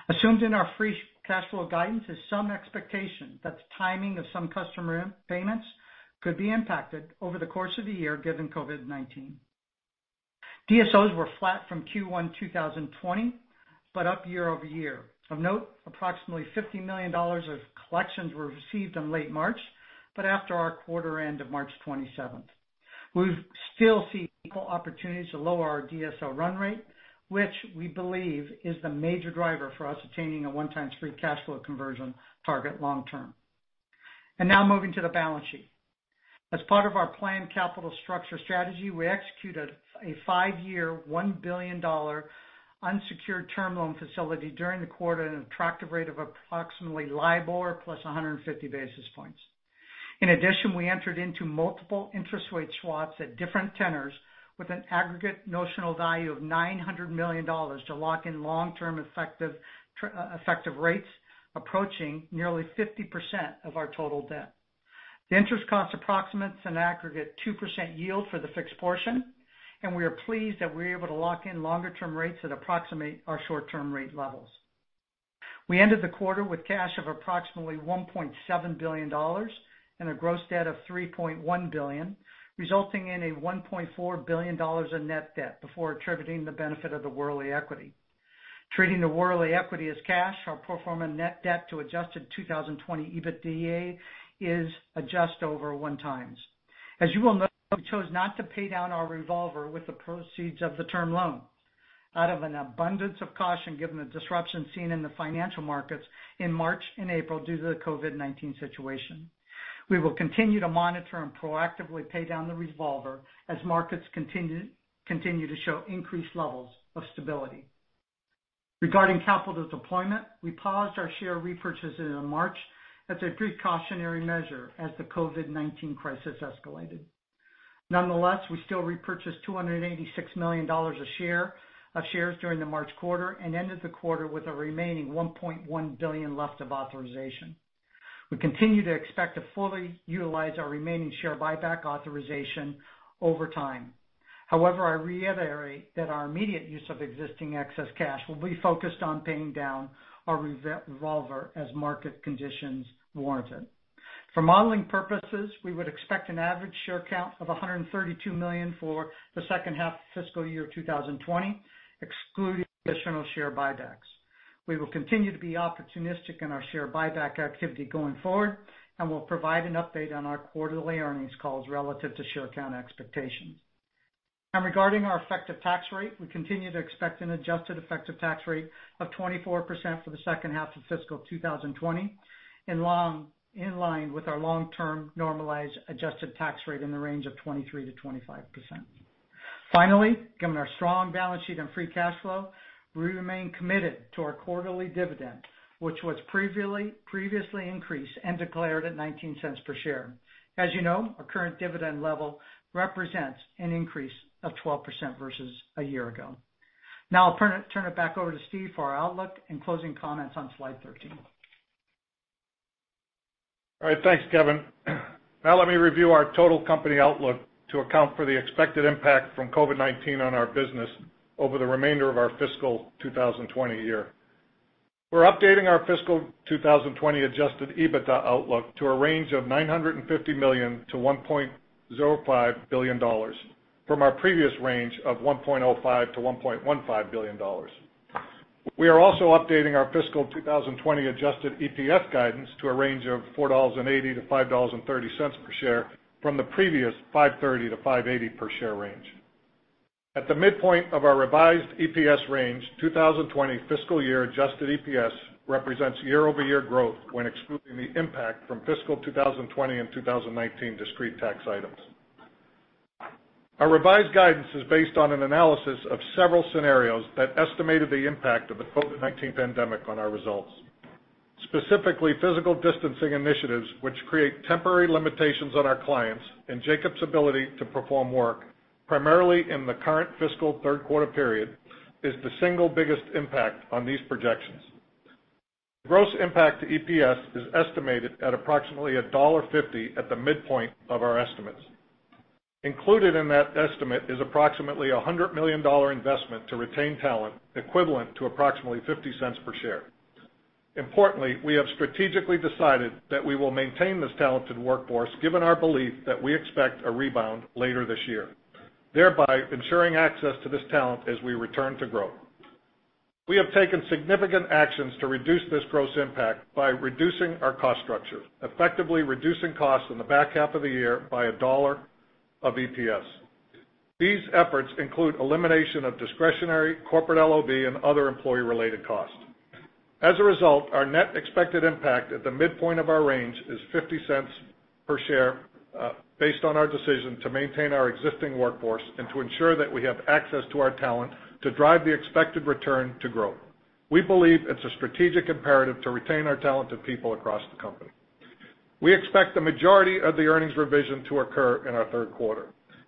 Assumed in our free cash flow guidance is some expectation that the timing of some customer payments could be impacted over the course of the year, given COVID-19. DSOs were flat from Q1 2020 but up year over year. Of note, approximately $50 million of collections were received in late March, but after our quarter end of March 27th. We still see equal opportunities to lower our DSO run rate, which we believe is the major driver for us attaining a one-time free cash flow conversion target long-term. And now, moving to the balance sheet. As part of our planned capital structure strategy, we executed a five-year $1 billion unsecured term loan facility during the quarter at an attractive rate of approximately LIBOR plus 150 basis points. In addition, we entered into multiple interest rate swaps at different tenors with an aggregate notional value of $900 million to lock in long-term effective rates, approaching nearly 50% of our total debt. The interest cost approximates an aggregate 2% yield for the fixed portion, and we are pleased that we were able to lock in longer-term rates that approximate our short-term rate levels. We ended the quarter with cash of approximately $1.7 billion and a gross debt of $3.1 billion, resulting in a $1.4 billion in net debt before attributing the benefit of the Worley equity. Treating the Worley equity as cash, our pro forma net debt to adjusted 2020 EBITDA is just over one times. As you will note, we chose not to pay down our revolver with the proceeds of the term loan out of an abundance of caution, given the disruption seen in the financial markets in March and April due to the COVID-19 situation. We will continue to monitor and proactively pay down the revolver as markets continue to show increased levels of stability. Regarding capital deployment, we paused our share repurchases in March as a precautionary measure as the COVID-19 crisis escalated. Nonetheless, we still repurchased $286 million of shares during the March quarter and ended the quarter with a remaining $1.1 billion left of authorization. We continue to expect to fully utilize our remaining share buyback authorization over time. However, I reiterate that our immediate use of existing excess cash will be focused on paying down our revolver as market conditions warrant it. For modeling purposes, we would expect an average share count of $132 million for the second half of fiscal year 2020, excluding additional share buybacks. We will continue to be opportunistic in our share buyback activity going forward and will provide an update on our quarterly earnings calls relative to share count expectations, and regarding our effective tax rate, we continue to expect an adjusted effective tax rate of 24% for the second half of fiscal 2020, in line with our long-term normalized adjusted tax rate in the range of 23%-25%. Finally, given our strong balance sheet and free cash flow, we remain committed to our quarterly dividend, which was previously increased and declared at $0.19 per share. As you know, our current dividend level represents an increase of 12% versus a year ago. Now, I'll turn it back over to Steve for our outlook and closing comments on slide 13. All right. Thanks, Kevin. Now, let me review our total company outlook to account for the expected impact from COVID-19 on our business over the remainder of our fiscal 2020 year. We're updating our fiscal 2020 adjusted EBITDA outlook to a range of $950 million-$1.05 billion from our previous range of $1.05 billion-$1.15 billion. We are also updating our fiscal 2020 adjusted EPS guidance to a range of $4.80-$5.30 per share from the previous $5.30-$5.80 per share range. At the midpoint of our revised EPS range, 2020 fiscal year adjusted EPS represents year-over-year growth when excluding the impact from fiscal 2020 and 2019 discrete tax items. Our revised guidance is based on an analysis of several scenarios that estimated the impact of the COVID-19 pandemic on our results. Specifically, physical distancing initiatives, which create temporary limitations on our clients and Jacobs' ability to perform work, primarily in the current fiscal third quarter period, is the single biggest impact on these projections. Gross impact to EPS is estimated at approximately $1.50 at the midpoint of our estimates. Included in that estimate is approximately a $100 million investment to retain talent equivalent to approximately $0.50 per share. Importantly, we have strategically decided that we will maintain this talented workforce given our belief that we expect a rebound later this year, thereby ensuring access to this talent as we return to growth. We have taken significant actions to reduce this gross impact by reducing our cost structure, effectively reducing costs in the back half of the year by $1.00 of EPS. These efforts include elimination of discretionary corporate LOB and other employee-related costs. As a result, our net expected impact at the midpoint of our range is $0.50 per share based on our decision to maintain our existing workforce and to ensure that we have access to our talent to drive the expected return to growth. We believe it's a strategic imperative to retain our talented people across the company. We expect the majority of the earnings revision to occur in our third quarter.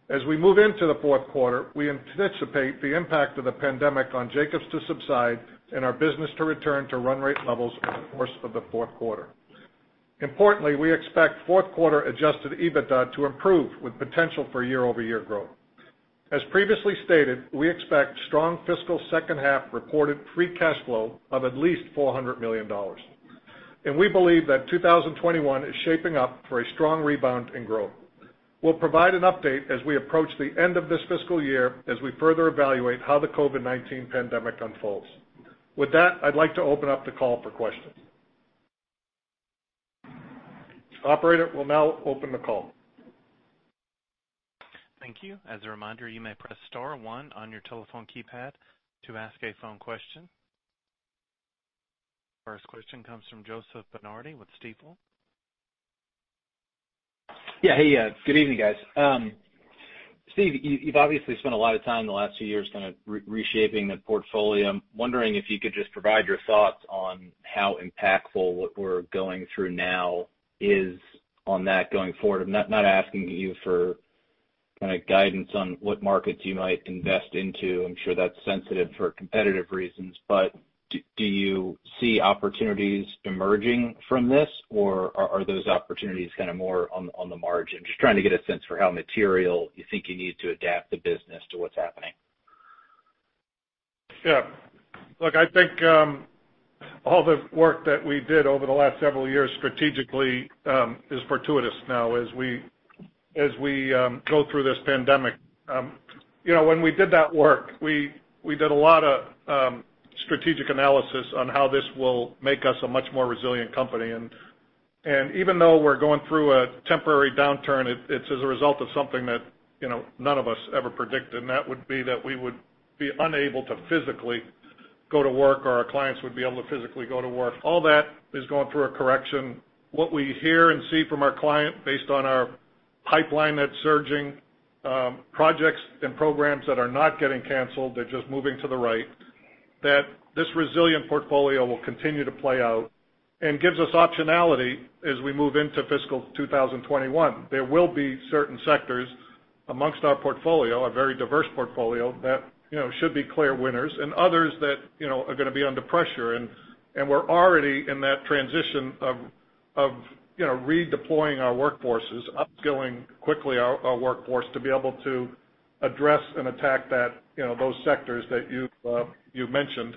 As we move into the fourth quarter, we anticipate the impact of the pandemic on Jacobs to subside and our business to return to run rate levels over the course of the fourth quarter. Importantly, we expect fourth quarter adjusted EBITDA to improve with potential for year-over-year growth. As previously stated, we expect strong fiscal second half reported free cash flow of at least $400 million. And we believe that 2021 is shaping up for a strong rebound in growth. We'll provide an update as we approach the end of this fiscal year as we further evaluate how the COVID-19 pandemic unfolds. With that, I'd like to open up the call for questions. Operator will now open the call. Thank you. As a reminder, you may press star one on your telephone keypad to ask a phone question. First question comes from Joseph DeNardi with Stifel. Yeah. Hey, good evening, guys. Steve, you've obviously spent a lot of time the last few years kind of reshaping the portfolio. I'm wondering if you could just provide your thoughts on how impactful what we're going through now is on that going forward. I'm not asking you for kind of guidance on what markets you might invest into. I'm sure that's sensitive for competitive reasons. But do you see opportunities emerging from this, or are those opportunities kind of more on the margin? Just trying to get a sense for how material you think you need to adapt the business to what's happening. Yeah. Look, I think all the work that we did over the last several years strategically is fortuitous now as we go through this pandemic. When we did that work, we did a lot of strategic analysis on how this will make us a much more resilient company. And even though we're going through a temporary downturn, it's as a result of something that none of us ever predicted, and that would be that we would be unable to physically go to work or our clients would be able to physically go to work. All that is going through a correction. What we hear and see from our clients, based on our pipeline that's surging, projects and programs that are not getting canceled, they're just moving to the right, that this resilient portfolio will continue to play out and gives us optionality as we move into fiscal 2021. There will be certain sectors among our portfolio, a very diverse portfolio, that should be clear winners and others that are going to be under pressure, and we're already in that transition of redeploying our workforces, upskilling quickly our workforce to be able to address and attack those sectors that you mentioned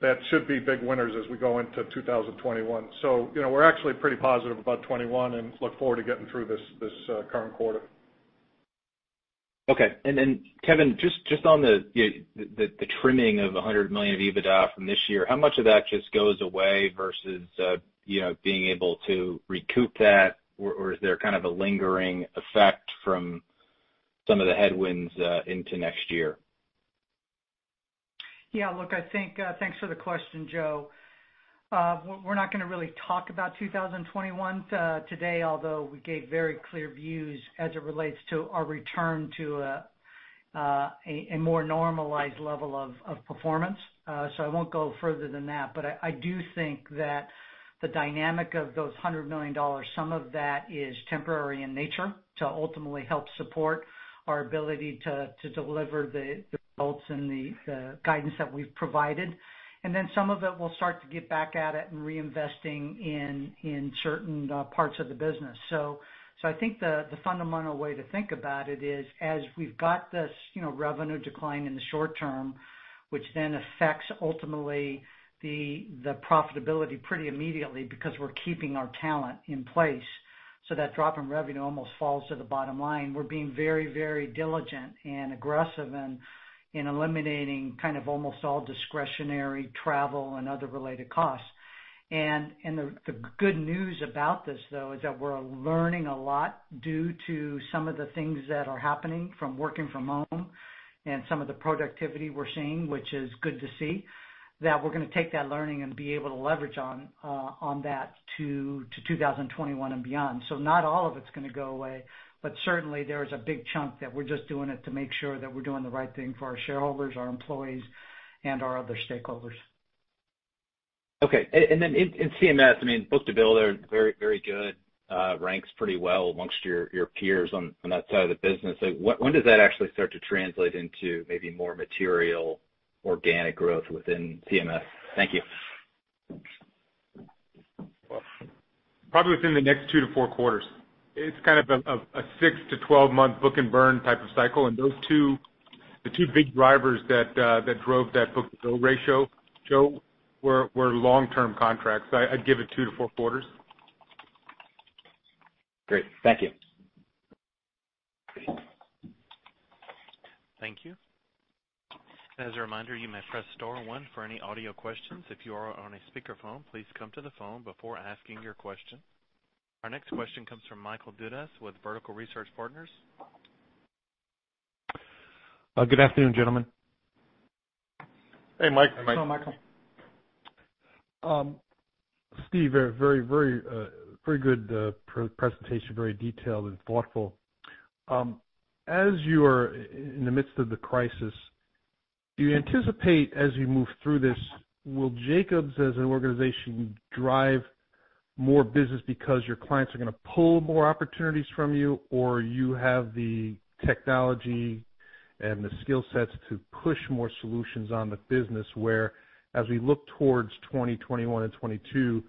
that should be big winners as we go into 2021, so we're actually pretty positive about 2021 and look forward to getting through this current quarter. Okay. And Kevin, just on the trimming of $100 million of EBITDA from this year, how much of that just goes away versus being able to recoup that, or is there kind of a lingering effect from some of the headwinds into next year? Yeah. Look, I think thanks for the question, Joe. We're not going to really talk about 2021 today, although we gave very clear views as it relates to our return to a more normalized level of performance. So I won't go further than that. But I do think that the dynamic of those $100 million, some of that is temporary in nature to ultimately help support our ability to deliver the results and the guidance that we've provided. And then some of it, we'll start to get back at it and reinvesting in certain parts of the business. So I think the fundamental way to think about it is as we've got this revenue decline in the short term, which then affects ultimately the profitability pretty immediately because we're keeping our talent in place. So that drop in revenue almost falls to the bottom line. We're being very, very diligent and aggressive in eliminating kind of almost all discretionary travel and other related costs. And the good news about this, though, is that we're learning a lot due to some of the things that are happening from working from home and some of the productivity we're seeing, which is good to see, that we're going to take that learning and be able to leverage on that to 2021 and beyond. So not all of it's going to go away, but certainly there is a big chunk that we're just doing it to make sure that we're doing the right thing for our shareholders, our employees, and our other stakeholders. Okay. And then in CMS, I mean, book-to-bill, they're very, very good, ranks pretty well among your peers on that side of the business. When does that actually start to translate into maybe more material organic growth within CMS? Thank you. Probably within the next two to four quarters. It's kind of a six to 12-month book-to-bill type of cycle. And the two big drivers that drove that book-to-bill ratio, Joe, were long-term contracts. I'd give it two to four quarters. Great. Thank you. Thank you. And as a reminder, you may press star one for any audio questions. If you are on a speakerphone, please come to the phone before asking your question. Our next question comes from Michael Dudas with Vertical Research Partners. Good afternoon, gentlemen. Hey, Mike. Hey, Mike. Hello, Michael. Steve, a very, very good presentation, very detailed and thoughtful. As you are in the midst of the crisis, do you anticipate as you move through this, will Jacobs as an organization drive more business because your clients are going to pull more opportunities from you, or do you have the technology and the skill sets to push more solutions on the business where, as we look towards 2021 and 2022,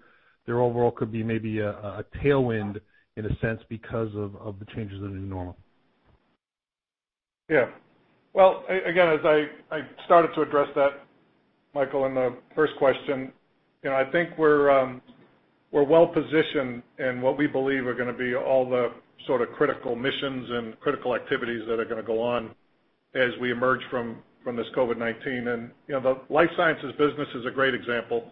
there overall could be maybe a tailwind in a sense because of the changes in the new normal? Yeah. Well, again, as I started to address that, Michael, in the first question, I think we're well positioned in what we believe are going to be all the sort of critical missions and critical activities that are going to go on as we emerge from this COVID-19. And the life sciences business is a great example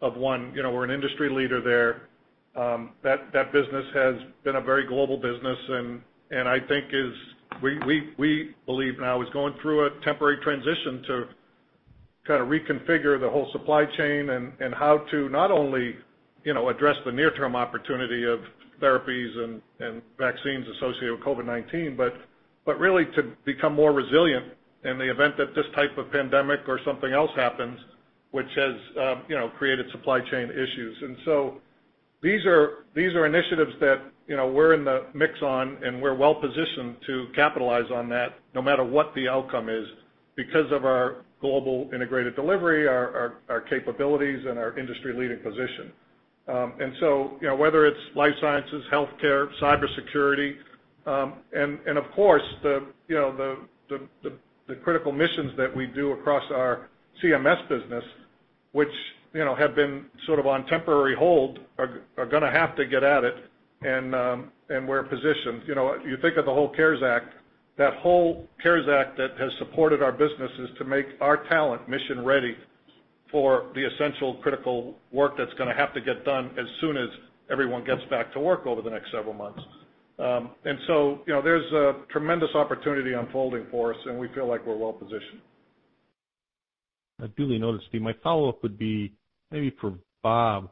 of one. We're an industry leader there. That business has been a very global business and I think is, we believe now, is going through a temporary transition to kind of reconfigure the whole supply chain and how to not only address the near-term opportunity of therapies and vaccines associated with COVID-19, but really to become more resilient in the event that this type of pandemic or something else happens, which has created supply chain issues. And so these are initiatives that we're in the mix on and we're well positioned to capitalize on that no matter what the outcome is because of our global integrated delivery, our capabilities, and our industry-leading position. And so whether it's life sciences, healthcare, cybersecurity, and of course, the critical missions that we do across our CMS business, which have been sort of on temporary hold, are going to have to get at it. And we're positioned. You think of the whole CARES Act, that whole CARES Act that has supported our businesses to make our talent mission-ready for the essential critical work that's going to have to get done as soon as everyone gets back to work over the next several months. And so there's a tremendous opportunity unfolding for us, and we feel like we're well positioned. I do notice, Steve, my follow-up would be maybe for Bob.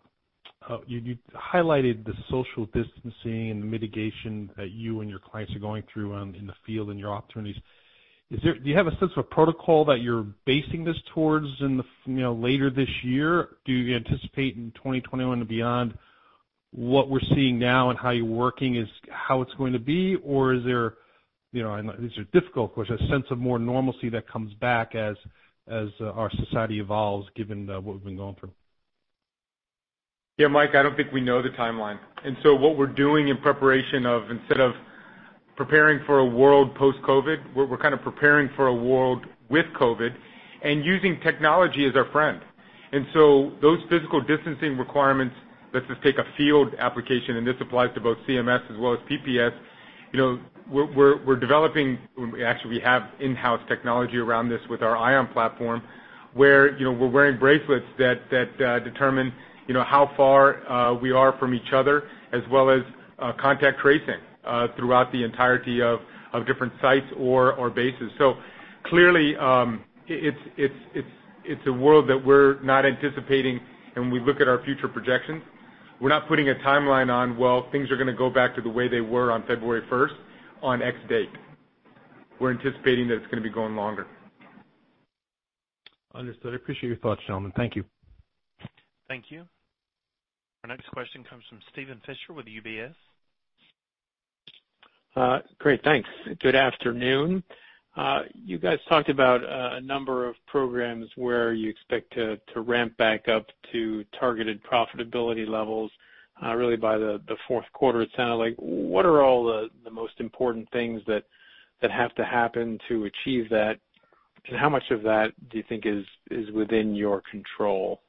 You highlighted the social distancing and the mitigation that you and your clients are going through in the field and your opportunities. Do you have a sense of a protocol that you're basing this towards later this year? Do you anticipate in 2021 and beyond what we're seeing now and how you're working is how it's going to be, or is there (these are difficult questions) a sense of more normalcy that comes back as our society evolves given what we've been going through? Yeah, Mike, I don't think we know the timeline, and so what we're doing in preparation of, instead of preparing for a world post-COVID-19, we're kind of preparing for a world with COVID-19 and using technology as our friend, and so those physical distancing requirements, let's just take a field application, and this applies to both CMS as well as P&PS. We're developing, actually, we have in-house technology around this with our ION platform where we're wearing bracelets that determine how far we are from each other as well as contact tracing throughout the entirety of different sites or bases, so clearly, it's a world that we're not anticipating, and when we look at our future projections, we're not putting a timeline on, well, things are going to go back to the way they were on February 1st on date. We're anticipating that it's going to be going longer. Understood. I appreciate your thoughts, gentlemen. Thank you. Thank you. Our next question comes from Steven Fisher with UBS. Great. Thanks. Good afternoon. You guys talked about a number of programs where you expect to ramp back up to targeted profitability levels really by the fourth quarter, it sounded like. What are all the most important things that have to happen to achieve that? And how much of that do you think is within your control?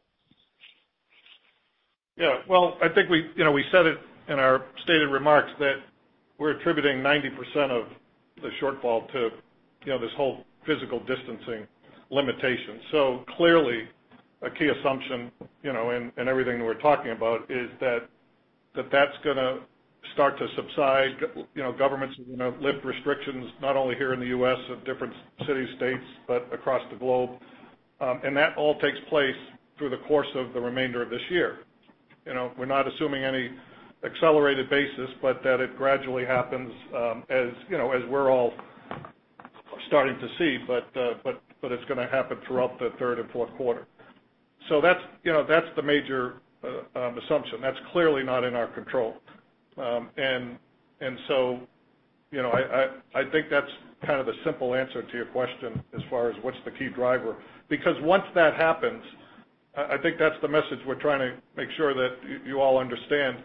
Yeah. Well, I think we said it in our stated remarks that we're attributing 90% of the shortfall to this whole physical distancing limitation. So clearly, a key assumption in everything that we're talking about is that that's going to start to subside. Governments are going to lift restrictions not only here in the U.S. and different cities, states, but across the globe. And that all takes place through the course of the remainder of this year. We're not assuming any accelerated basis, but that it gradually happens as we're all starting to see, but it's going to happen throughout the third and fourth quarter. So that's the major assumption. That's clearly not in our control. And so I think that's kind of the simple answer to your question as far as what's the key driver. Because once that happens, I think that's the message we're trying to make sure that you all understand.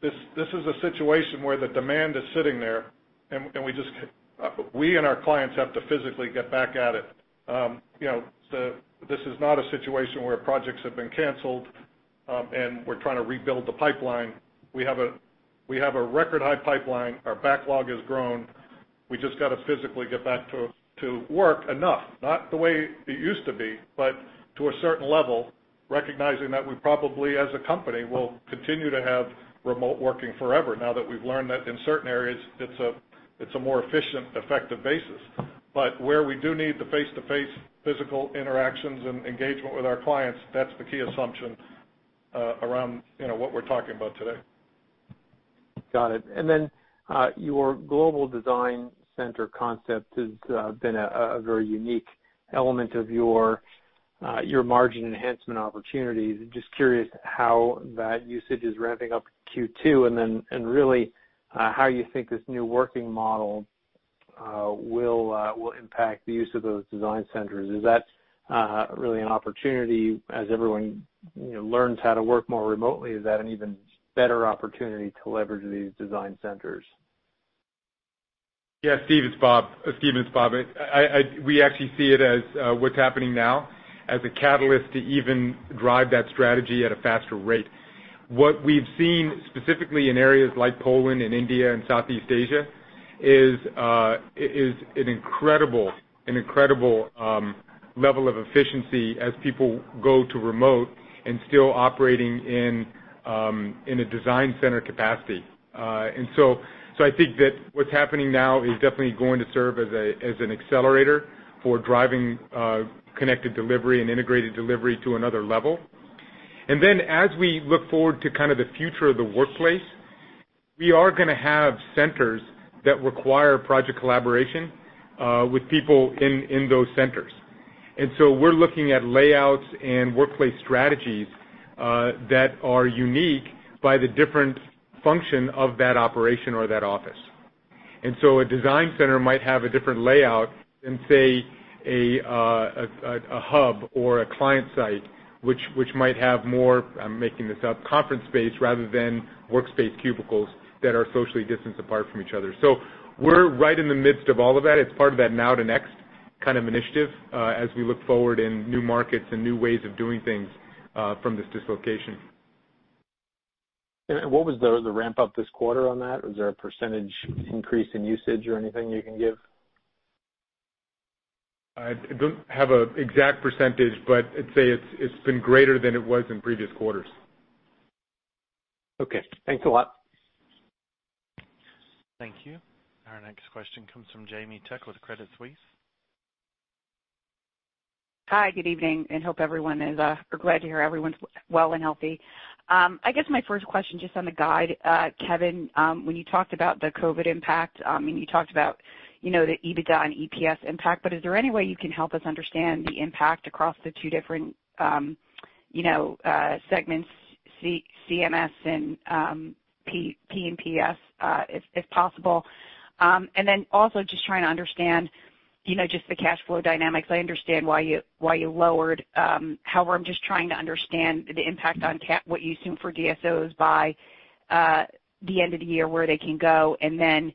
This is a situation where the demand is sitting there, and we and our clients have to physically get back at it. This is not a situation where projects have been canceled and we're trying to rebuild the pipeline. We have a record-high pipeline. Our backlog has grown. We just got to physically get back to work enough, not the way it used to be, but to a certain level, recognizing that we probably, as a company, will continue to have remote working forever now that we've learned that in certain areas, it's a more efficient, effective basis. But where we do need the face-to-face physical interactions and engagement with our clients, that's the key assumption around what we're talking about today. Got it. And then your global design center concept has been a very unique element of your margin enhancement opportunities. Just curious how that usage is ramping up Q2 and really how you think this new working model will impact the use of those design centers. Is that really an opportunity as everyone learns how to work more remotely? Is that an even better opportunity to leverage these design centers? Yeah. Steve, it's Bob. Steven, it's Bob. We actually see it as what's happening now as a catalyst to even drive that strategy at a faster rate. What we've seen specifically in areas like Poland and India and Southeast Asia is an incredible level of efficiency as people go to remote and still operating in a design center capacity. And so I think that what's happening now is definitely going to serve as an accelerator for driving connected delivery and integrated delivery to another level. And then as we look forward to kind of the future of the workplace, we are going to have centers that require project collaboration with people in those centers. And so we're looking at layouts and workplace strategies that are unique by the different function of that operation or that office. And so a design center might have a different layout than, say, a hub or a client site, which might have more (I'm making this up) conference space rather than workspace cubicles that are socially distanced apart from each other. So we're right in the midst of all of that. It's part of that Now to Next kind of initiative as we look forward in new markets and new ways of doing things from this dislocation. What was the ramp-up this quarter on that? Was there a percentage increase in usage or anything you can give? I don't have an exact percentage, but I'd say it's been greater than it was in previous quarters. Okay. Thanks a lot. Thank you. Our next question comes from Jamie Cook with Credit Suisse. Hi. Good evening. And hope everyone is well and healthy. We're glad to hear everyone's well and healthy. I guess my first question just on the guide, Kevin, when you talked about the COVID-19 impact and you talked about the EBITDA and EPS impact, but is there any way you can help us understand the impact across the two different segments, CMS and P&PS, if possible? And then also just trying to understand just the cash flow dynamics. I understand why you lowered. However, I'm just trying to understand the impact on what you assume for DSOs by the end of the year, where they can go. And then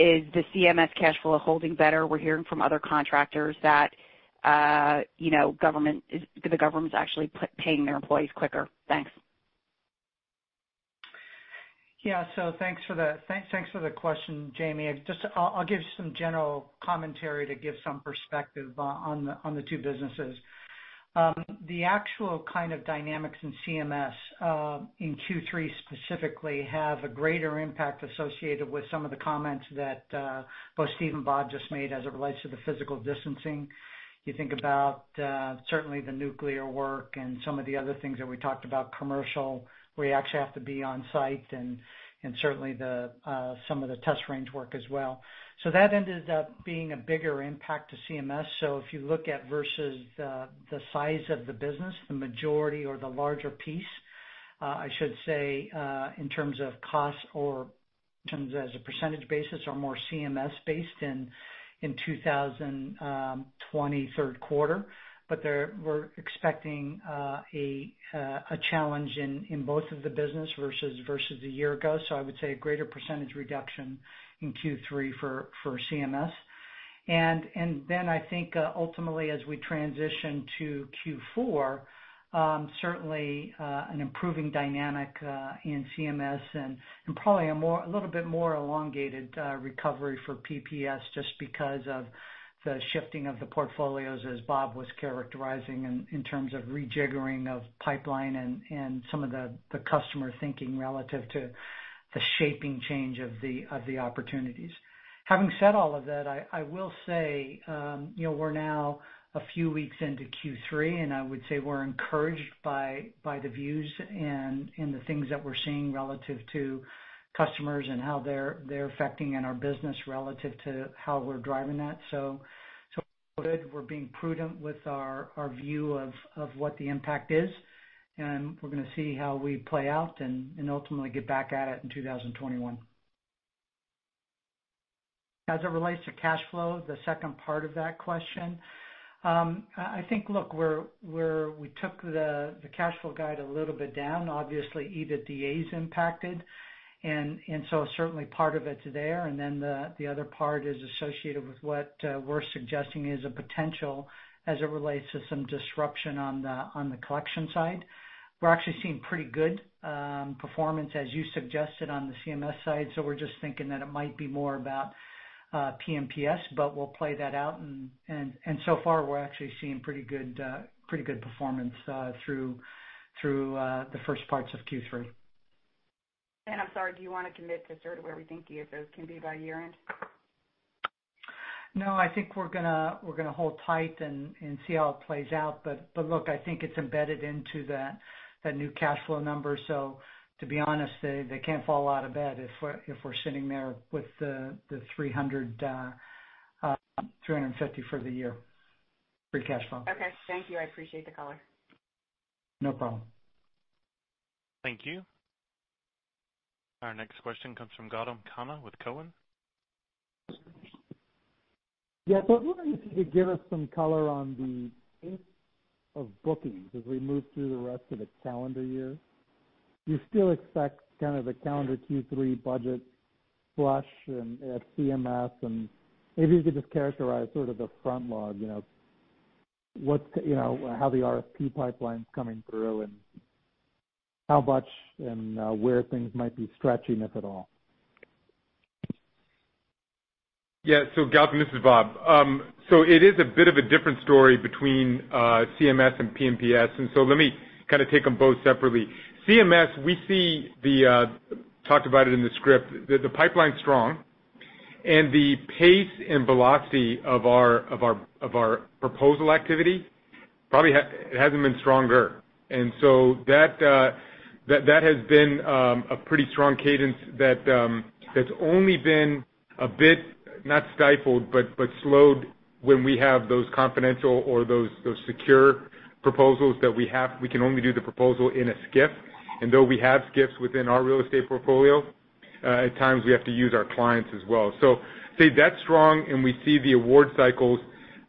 is the CMS cash flow holding better? We're hearing from other contractors that the government's actually paying their employees quicker. Thanks. Yeah. Thanks for the question, Jamie. I'll give some general commentary to give some perspective on the two businesses. The actual kind of dynamics in CMS in Q3 specifically have a greater impact associated with some of the comments that both Steve and Bob just made as it relates to the physical distancing. You think about certainly the nuclear work and some of the other things that we talked about, commercial, where you actually have to be on-site and certainly some of the test range work as well. That ended up being a bigger impact to CMS. If you look at versus the size of the business, the majority or the larger piece, I should say in terms of costs or as a percentage basis, are more CMS-based in 2020 third quarter. But we're expecting a challenge in both of the businesses versus a year ago. So I would say a greater percentage reduction in Q3 for CMS. And then I think ultimately, as we transition to Q4, certainly an improving dynamic in CMS and probably a little bit more elongated recovery for P&PS just because of the shifting of the portfolios, as Bob was characterizing, in terms of rejiggering of pipeline and some of the customer thinking relative to the shaping change of the opportunities. Having said all of that, I will say we're now a few weeks into Q3, and I would say we're encouraged by the views and the things that we're seeing relative to customers and how they're affecting our business relative to how we're driving that. So we're being prudent with our view of what the impact is. We're going to see how we play out and ultimately get back at it in 2021. As it relates to cash flow, the second part of that question, I think, look, we took the cash flow guide a little bit down. Obviously, EBITDA is impacted. And so certainly part of it's there. And then the other part is associated with what we're suggesting is a potential as it relates to some disruption on the collection side. We're actually seeing pretty good performance, as you suggested, on the CMS side. So we're just thinking that it might be more about P&PS, but we'll play that out. And so far, we're actually seeing pretty good performance through the first parts of Q3. I'm sorry, do you want to commit to sort of where we think the ESOs can be by year-end? No, I think we're going to hold tight and see how it plays out. But look, I think it's embedded into that new cash flow number. So to be honest, they can't fall out of bed if we're sitting there with the $350 million for the year free cash flow. Okay. Thank you. I appreciate the color. No problem. Thank you. Our next question comes from Gautam Khanna with Cowen. I was wondering if you could give us some color on the pace of bookings as we move through the rest of the calendar year. You still expect kind of the calendar Q3 budget flush at CMS. Maybe you could just characterize sort of the backlog, how the RFP pipeline's coming through and how much and where things might be stretching, if at all. Yeah. So Gautam, this is Bob. So it is a bit of a different story between CMS and P&PS. And so let me kind of take them both separately. CMS, we talked about it in the script. The pipeline's strong. And the pace and velocity of our proposal activity probably hasn't been stronger. And so that has been a pretty strong cadence that's only been a bit not stifled, but slowed when we have those confidential or those secure proposals that we have. We can only do the proposal in a SCIF. And though we have SCIFs within our real estate portfolio, at times we have to use our clients as well. So I'd say that's strong. And we see the award cycles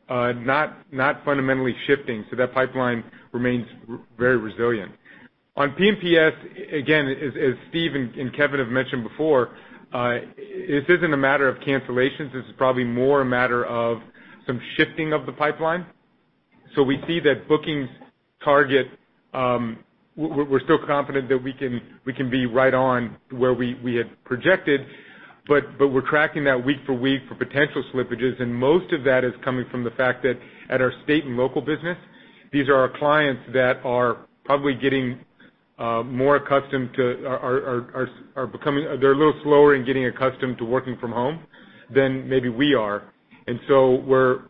not fundamentally shifting. So that pipeline remains very resilient. On P&PS, again, as Steve and Kevin have mentioned before, this isn't a matter of cancellations. This is probably more a matter of some shifting of the pipeline. So we see that bookings target we're still confident that we can be right on where we had projected, but we're tracking that week for week for potential slippages. And most of that is coming from the fact that at our state and local business, these are our clients that are probably getting more accustomed to, they're a little slower in getting accustomed to working from home than maybe we are. And so we're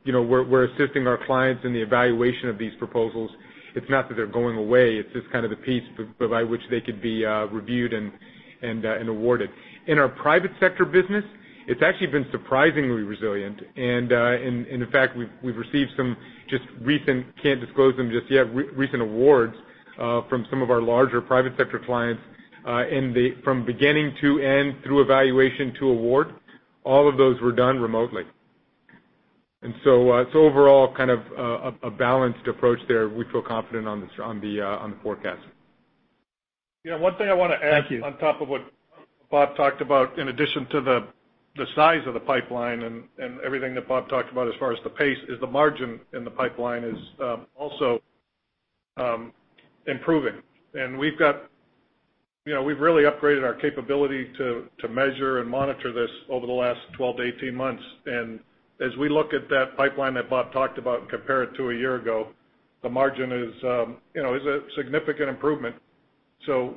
assisting our clients in the evaluation of these proposals. It's not that they're going away. It's just kind of the piece by which they could be reviewed and awarded. In our private sector business, it's actually been surprisingly resilient. And in fact, we've received some just recent, can't disclose them just yet, recent awards from some of our larger private sector clients. And from beginning to end, through evaluation to award, all of those were done remotely. And so overall, kind of a balanced approach there. We feel confident on the forecast. Yeah. One thing I want to add on top of what Bob talked about, in addition to the size of the pipeline and everything that Bob talked about as far as the pace, is the margin in the pipeline is also improving. And we've really upgraded our capability to measure and monitor this over the last 12 to 18 months. And as we look at that pipeline that Bob talked about and compare it to a year ago, the margin is a significant improvement,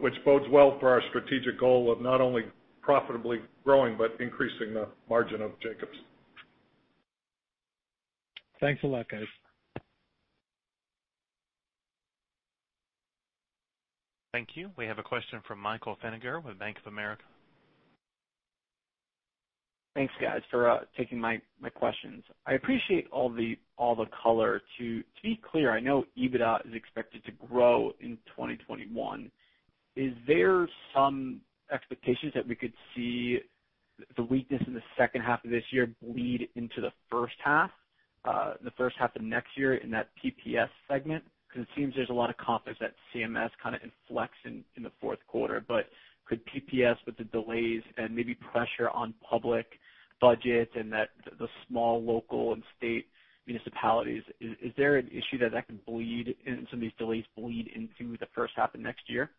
which bodes well for our strategic goal of not only profitably growing but increasing the margin of Jacobs. Thanks a lot, guys. Thank you. We have a question from Michael Feniger with Bank of America. Thanks, guys, for taking my questions. I appreciate all the color. To be clear, I know EBITDA is expected to grow in 2021. Is there some expectation that we could see the weakness in the second half of this year bleed into the first half, the first half of next year in that P&PS segment? Because it seems there's a lot of confidence that CMS kind of inflects in the fourth quarter. But could P&PS with the delays and maybe pressure on public budgets and the small local and state municipalities, is there an issue that that can bleed in some of these delays into the first half of next year?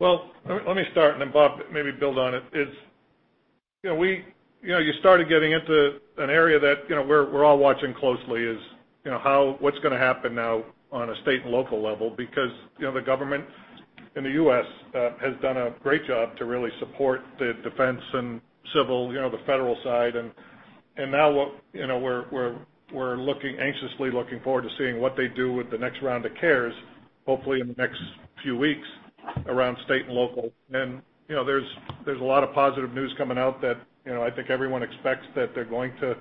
Well, let me start. And then Bob, maybe build on it. You started getting into an area that we're all watching closely is what's going to happen now on a state and local level because the government in the U.S. has done a great job to really support the defense and civil, the federal side. And now we're anxiously looking forward to seeing what they do with the next round of CARES, hopefully in the next few weeks around state and local. And there's a lot of positive news coming out that I think everyone expects that they're going to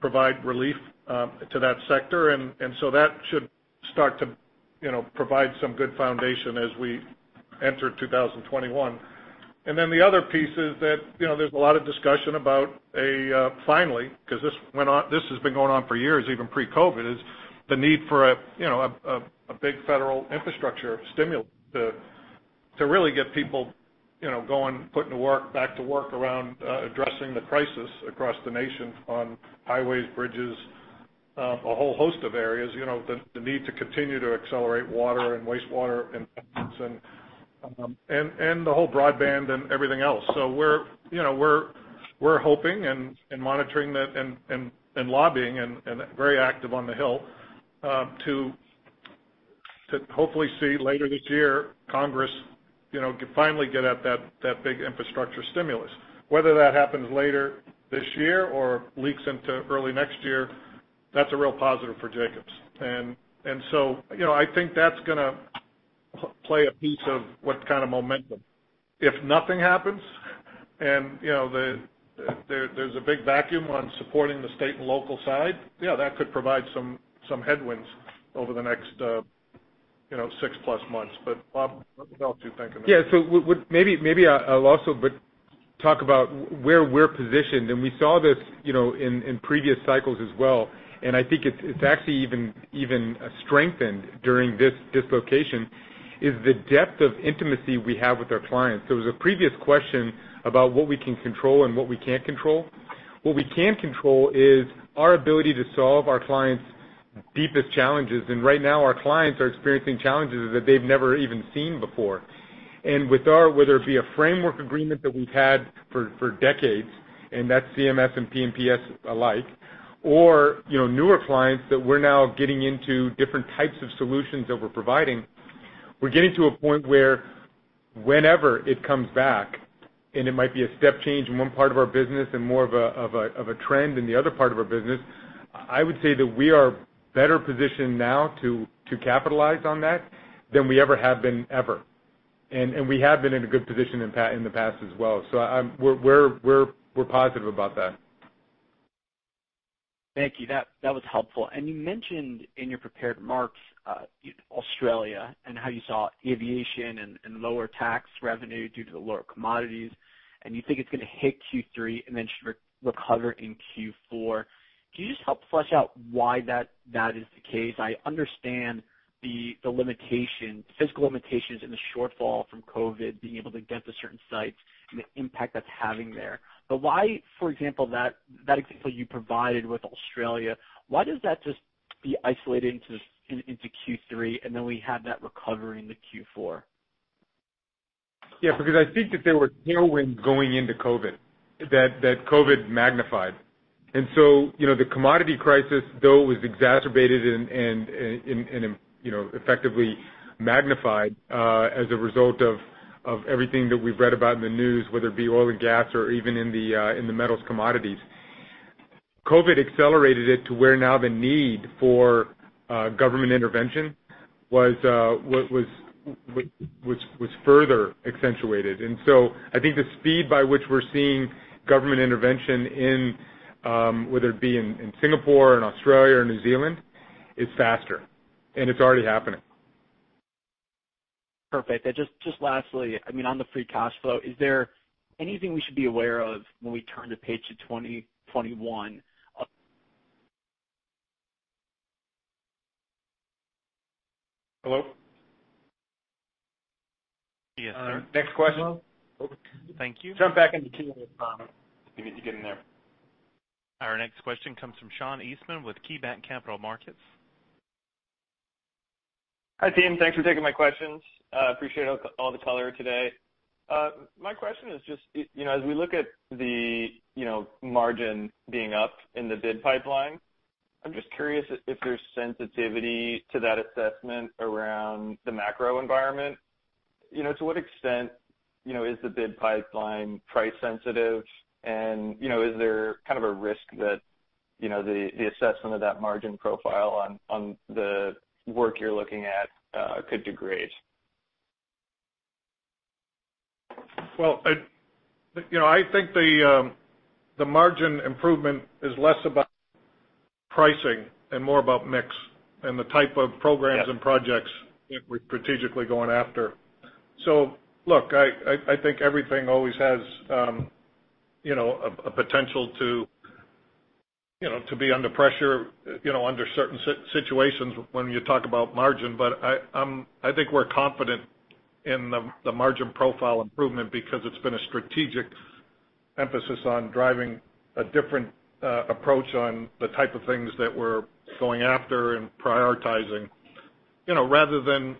provide relief to that sector. And so that should start to provide some good foundation as we enter 2021. And then the other piece is that there's a lot of discussion about, finally, because this has been going on for years, even pre-COVID-19, the need for a big federal infrastructure stimulus to really get people going, putting to work, back to work around addressing the crisis across the nation on highways, bridges, a whole host of areas, the need to continue to accelerate water and wastewater and the whole broadband and everything else. So we're hoping and monitoring and lobbying and very active on the Hill to hopefully see later this year Congress finally get at that big infrastructure stimulus. Whether that happens later this year or leaks into early next year, that's a real positive for Jacobs. And so I think that's going to play a piece of what kind of momentum. If nothing happens and there's a big vacuum on supporting the state and local side, yeah, that could provide some headwinds over the next six-plus months. But Bob, what else are you thinking? Yeah. So maybe I'll also talk about where we're positioned. And we saw this in previous cycles as well. And I think it's actually even strengthened during this dislocation is the depth of intimacy we have with our clients. There was a previous question about what we can control and what we can't control. What we can control is our ability to solve our clients' deepest challenges. And right now, our clients are experiencing challenges that they've never even seen before. Whether it be a framework agreement that we've had for decades, and that's CMS and P&PS alike, or newer clients that we're now getting into different types of solutions that we're providing, we're getting to a point where whenever it comes back, and it might be a step change in one part of our business and more of a trend in the other part of our business, I would say that we are better positioned now to capitalize on that than we ever have been ever. We have been in a good position in the past as well. We're positive about that. Thank you. That was helpful, and you mentioned in your prepared remarks Australia and how you saw aviation and lower tax revenue due to the lower commodities, and you think it's going to hit Q3 and then should recover in Q4. Can you just help flesh out why that is the case? I understand the physical limitations and the shortfall from COVID-19 being able to get to certain sites and the impact that's having there. But why, for example, that example you provided with Australia, why does that just be isolated into Q3 and then we have that recovery in the Q4? Yeah. Because I think that there were tailwinds going into COVID-19 that COVID-19 magnified. And so the commodity crisis, though, was exacerbated and effectively magnified as a result of everything that we've read about in the news, whether it be oil and gas or even in the metals commodities. COVID-19 accelerated it to where now the need for government intervention was further accentuated. And so I think the speed by which we're seeing government intervention, whether it be in Singapore and Australia or New Zealand, is faster. And it's already happening. Perfect. And just lastly, I mean, on the free cash flow, is there anything we should be aware of when we turn the page to 2021? Hello? Yes, sir. Next question. Thank you. Jump back into Q and A with Tom. You need to get in there. Our next question comes from Sean Eastman with KeyBanc Capital Markets. Hi, team. Thanks for taking my questions. Appreciate all the color today. My question is just, as we look at the margin being up in the bid pipeline, I'm just curious if there's sensitivity to that assessment around the macro environment. To what extent is the bid pipeline price-sensitive? And is there kind of a risk that the assessment of that margin profile on the work you're looking at could degrade? Well, I think the margin improvement is less about pricing and more about mix and the type of programs and projects that we're strategically going after. So look, I think everything always has a potential to be under pressure under certain situations when you talk about margin. But I think we're confident in the margin profile improvement because it's been a strategic emphasis on driving a different approach on the type of things that we're going after and prioritizing. Rather than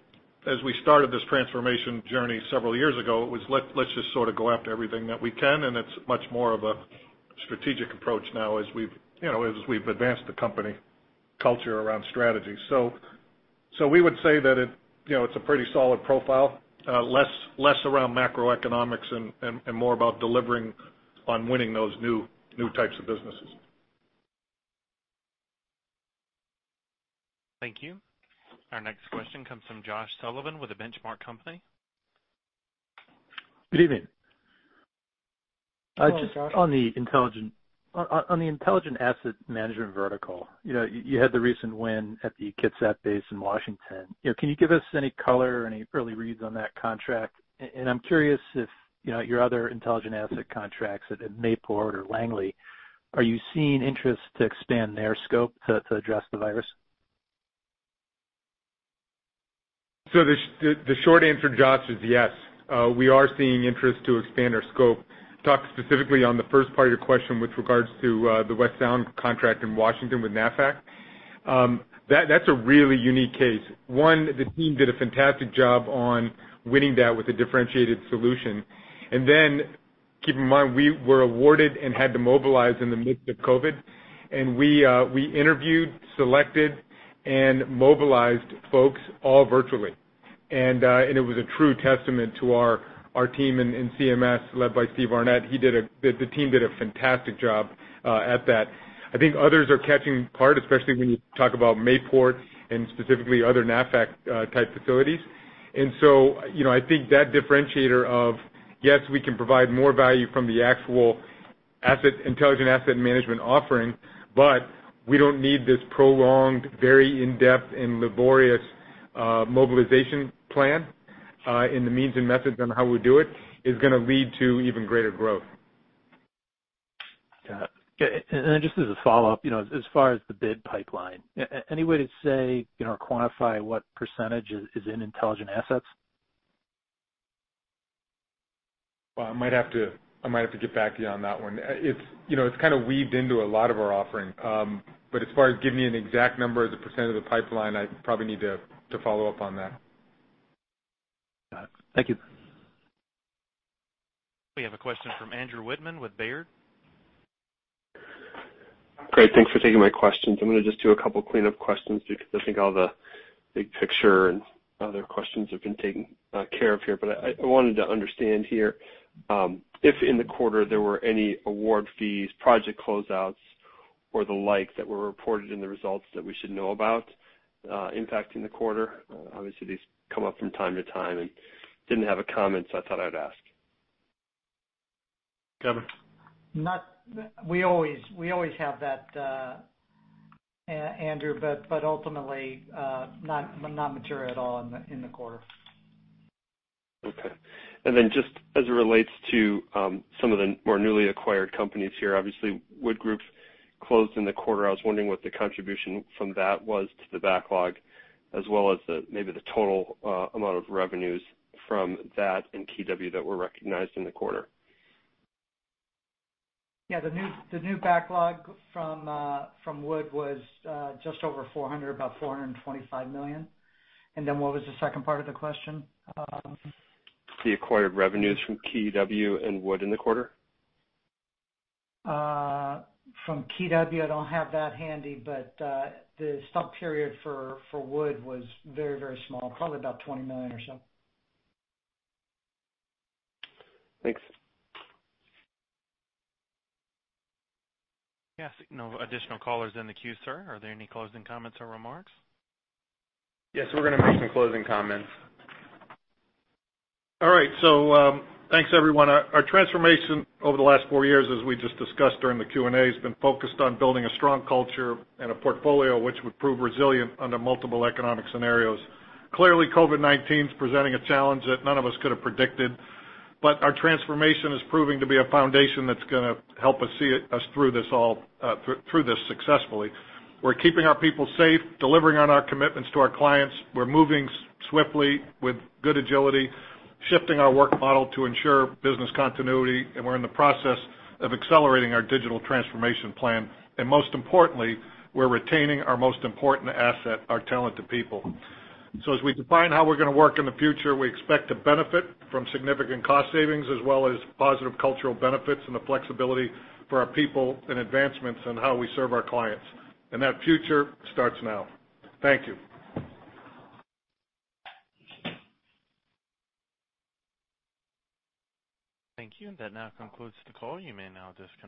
as we started this transformation journey several years ago, it was, "Let's just sort of go after everything that we can." And it's much more of a strategic approach now as we've advanced the company culture around strategy. So we would say that it's a pretty solid profile, less around macroeconomics and more about delivering on winning those new types of businesses. Thank you. Our next question comes from Josh Sullivan with The Benchmark Company. Good evening. Hi, Josh. On the intelligent asset management vertical, you had the recent win at the Kitsap base in Washington. Can you give us any color or any early reads on that contract? And I'm curious if your other intelligent asset contracts at Mayport or Langley are you seeing interest to expand their scope to address the virus? So the short answer, Josh, is yes. We are seeing interest to expand our scope. Talk specifically on the first part of your question with regards to the West Sound contract in Washington with NAVFAC. That's a really unique case. One, the team did a fantastic job on winning that with a differentiated solution. And then keep in mind, we were awarded and had to mobilize in the midst of COVID-19. And we interviewed, selected, and mobilized folks all virtually. And it was a true testament to our team in CMS led by Steve Arnette. The team did a fantastic job at that. I think others are catching part, especially when you talk about Mayport and specifically other NAVFAC-type facilities. And so I think that differentiator of, yes, we can provide more value from the actual Intelligent Asset Management offering, but we don't need this prolonged, very in-depth, and laborious mobilization plan in the means and methods on how we do it is going to lead to even greater growth. Got it. And then just as a follow-up, as far as the bid pipeline, any way to say or quantify what percentage is in intelligent assets? I might have to get back to you on that one. It's kind of weaved into a lot of our offering. But as far as giving you an exact number of the percent of the pipeline, I probably need to follow up on that. Got it. Thank you. We have a question from Andrew Wittman with Baird. Great. Thanks for taking my questions. I'm going to just do a couple of cleanup questions because I think all the big picture and other questions have been taken care of here. But I wanted to understand here if in the quarter there were any award fees, project closeouts, or the like that were reported in the results that we should know about impacting the quarter. Obviously, these come up from time to time, and didn't have a comment, so I thought I'd ask. Got it. We always have that, Andrew, but ultimately not material at all in the quarter. Okay. And then just as it relates to some of the more newly acquired companies here, obviously, Wood Group closed in the quarter. I was wondering what the contribution from that was to the backlog, as well as maybe the total amount of revenues from that and KeyW that were recognized in the quarter. Yeah. The new backlog from Wood was just over $400 million, about $425 million. And then what was the second part of the question? The acquired revenues from KeyW and Wood in the quarter? From KeyW, I don't have that handy, but the stub period for Wood was very, very small, probably about $20 million or so. Thanks. Yes. No additional callers in the queue, sir. Are there any closing comments or remarks? Yes. We're going to make some closing comments. All right. So thanks, everyone. Our transformation over the last four years, as we just discussed during the Q and A, has been focused on building a strong culture and a portfolio which would prove resilient under multiple economic scenarios. Clearly, COVID-19 is presenting a challenge that none of us could have predicted. But our transformation is proving to be a foundation that's going to help us see us through this successfully. We're keeping our people safe, delivering on our commitments to our clients. We're moving swiftly with good agility, shifting our work model to ensure business continuity. And we're in the process of accelerating our digital transformation plan. And most importantly, we're retaining our most important asset, our talented people. As we define how we're going to work in the future, we expect to benefit from significant cost savings as well as positive cultural benefits and the flexibility for our people and advancements in how we serve our clients. That future starts now. Thank you. Thank you. That now concludes the call. You may now just.